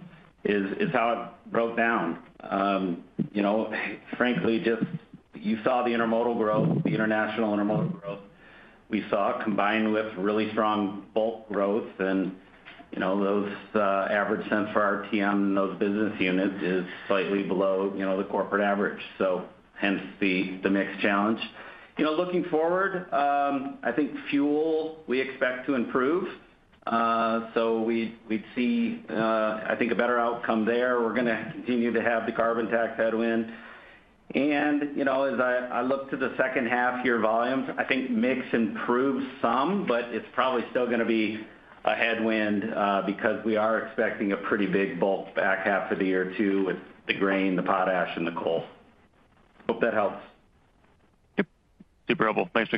is how it broke down. You know, frankly just you saw the intermodal growth, the international intermodal growth we saw combined with really strong bulk growth and you know those average cents for RTM, those business units is slightly below, you know, the corporate average. So hence the mix challenge. You know, looking forward, I think fuel we expect to improve so we'd see I think a better outcome there. We're going to continue to have the carbon tax headwind and you know, as I look to the second half year volumes, I think mix improves some, but it's probably still going to be a headwind because we are expecting a pretty big bulk back half of the year too with the grain, the potash and the coal. Hope that helps. Super Opal, thanks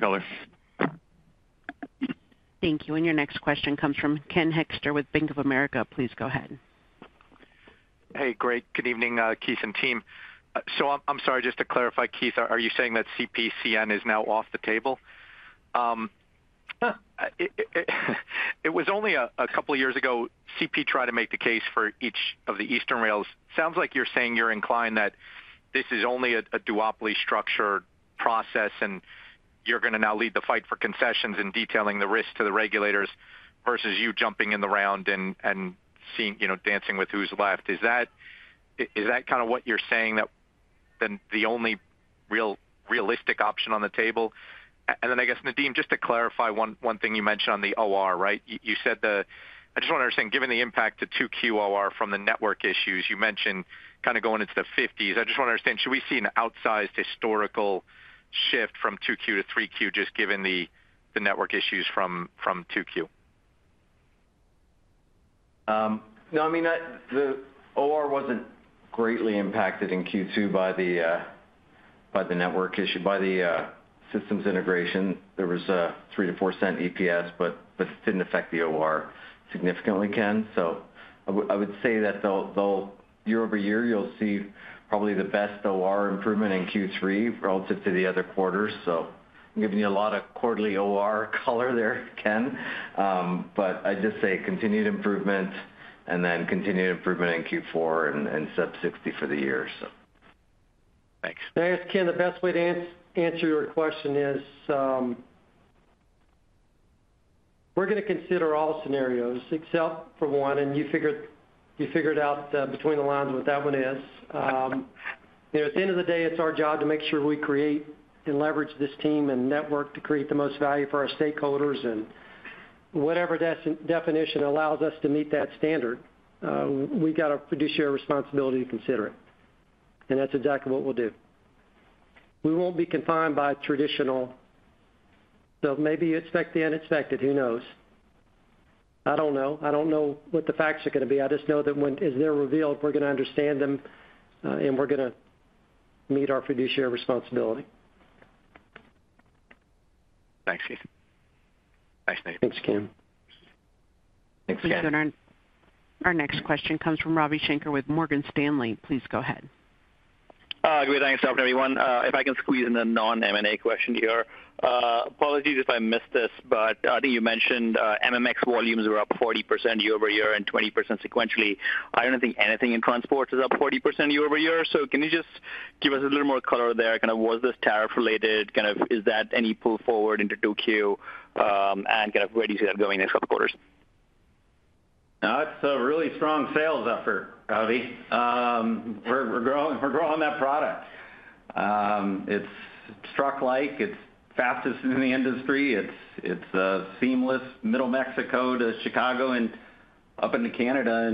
for color. Thank you. Your next question comes from Ken Hoexter with Bank of America. Please go ahead. Hey, great. Good evening Keith and team. I'm sorry, just to clarify Keith, are you saying that CPC is now off the table? It was only a couple years ago CP tried to make the case for each of the eastern rails. Sounds like you're saying you're inclined that this is only a duopoly structure process and you're going to now lead the fight for concessions in detailing the risk to the regulators versus you jumping in the round and seeing, you know, dancing with who's left. Is that, is that kind of what you're saying? That then the only real realistic option on the table and then I guess Nadeem, just to clarify one thing you mentioned on the OR, right? You said the. I just want to understand, given the impact the 2Q from the network issues you mentioned kind of going into the 50s. I just want to understand should we see an outsized historical shift from 2Q to 3Q just given the network issues from 2Q? No, I mean the OR wasn't greatly impacted in Q2 by the network issue, by the systems integration. There was 3-4 cent EPS but it didn't affect the OR significantly. Ken. I would say that year-over-year you'll see probably the best OR improvement in Q3 relative to the other quarters. I'm giving you a lot of quarterly OR color there Ken, but I just say continued improvement and then continued improvement in Q4 and sub 60 for the year. Thanks. Ken. The best way to answer your question is we're going to consider all scenarios except for one. You figured out between the lines what that one is. You know, at the end of the day, it's our job to make sure we create and leverage this team and network to create the most value for our stakeholders. Whatever definition allows us to meet that standard, we have a fiduciary responsibility to consider it. That's exactly what we'll do. We won't be confined by traditional. Maybe you expect the unexpected, who knows? I don't know. I don't know what the facts are going to be. I just know that as they're revealed, we're going to understand them and we're going to meet our fiduciary responsibility. Thanks, Keith. Thanks, Nadeem. Thanks, Ken. Thanks. Our next question comes from Ravi Shanker with Morgan Stanley.Please go ahead. Great. Thanks everyone. If I can squeeze in a non M&A question here. Apologies if I missed this, but I think you mentioned MMX volumes are up year-over-year and 20% sequentially. I do not think anything in transport is. Up 40% year-over-year. Can you just give us a little more color there, kind of was this tariff related, kind of is that any pull forward into 2Q, and kind of where do you see that going next couple quarters? It's a really strong sales effort, Cody. We're growing that product. It's truck-like, it's fastest in the industry, it's seamless, middle Mexico to Chicago and up into Canada.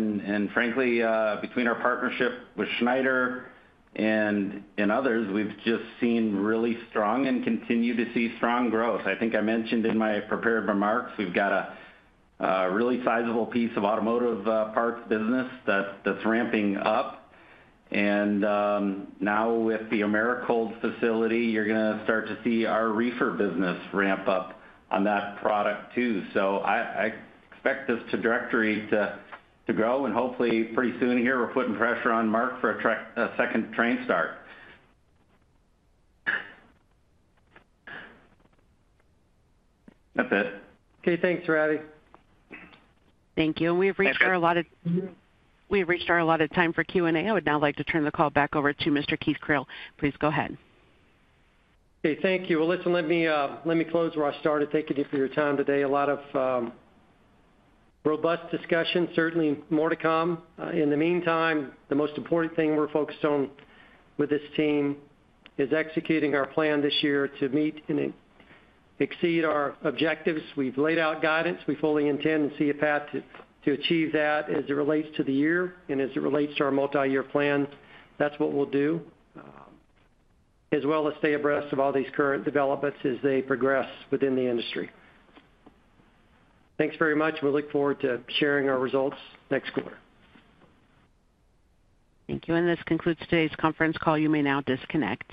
Frankly, between our partnership with Schneider and others, we've just seen really strong and continue to see strong growth. I think I mentioned in my prepared remarks we've got a really sizable piece of automotive parts business that's ramping up. Now with the Americold facility, you're going to start to see our reefer business ramp up on that product too. I expect this trajectory to grow and hopefully pretty soon here we're putting pressure on Mark for a second train start. That's it. Okay, thanks Ravi. Thank you. We have reached our allotted time for Q and A. I would now like to turn the call back over to Mr. Keith Creel, please. Go ahead. Okay, thank you. Eliza. Let me close where I started, thanking you for your time today. A lot of robust discussions, certainly more to come in the meantime. The most important thing we are focused on with this team is executing our plan this year to meet and exceed our objectives. We have laid out guidance. We fully intend and see a path to achieve that as it relates to the year and as it relates to our multi-year plan. That is what we will do, as well as stay abreast of all these current developments as they progress within the industry. Thanks very much. We look forward to sharing our results next quarter. Thank you. This concludes today's conference call. You may now disconnect.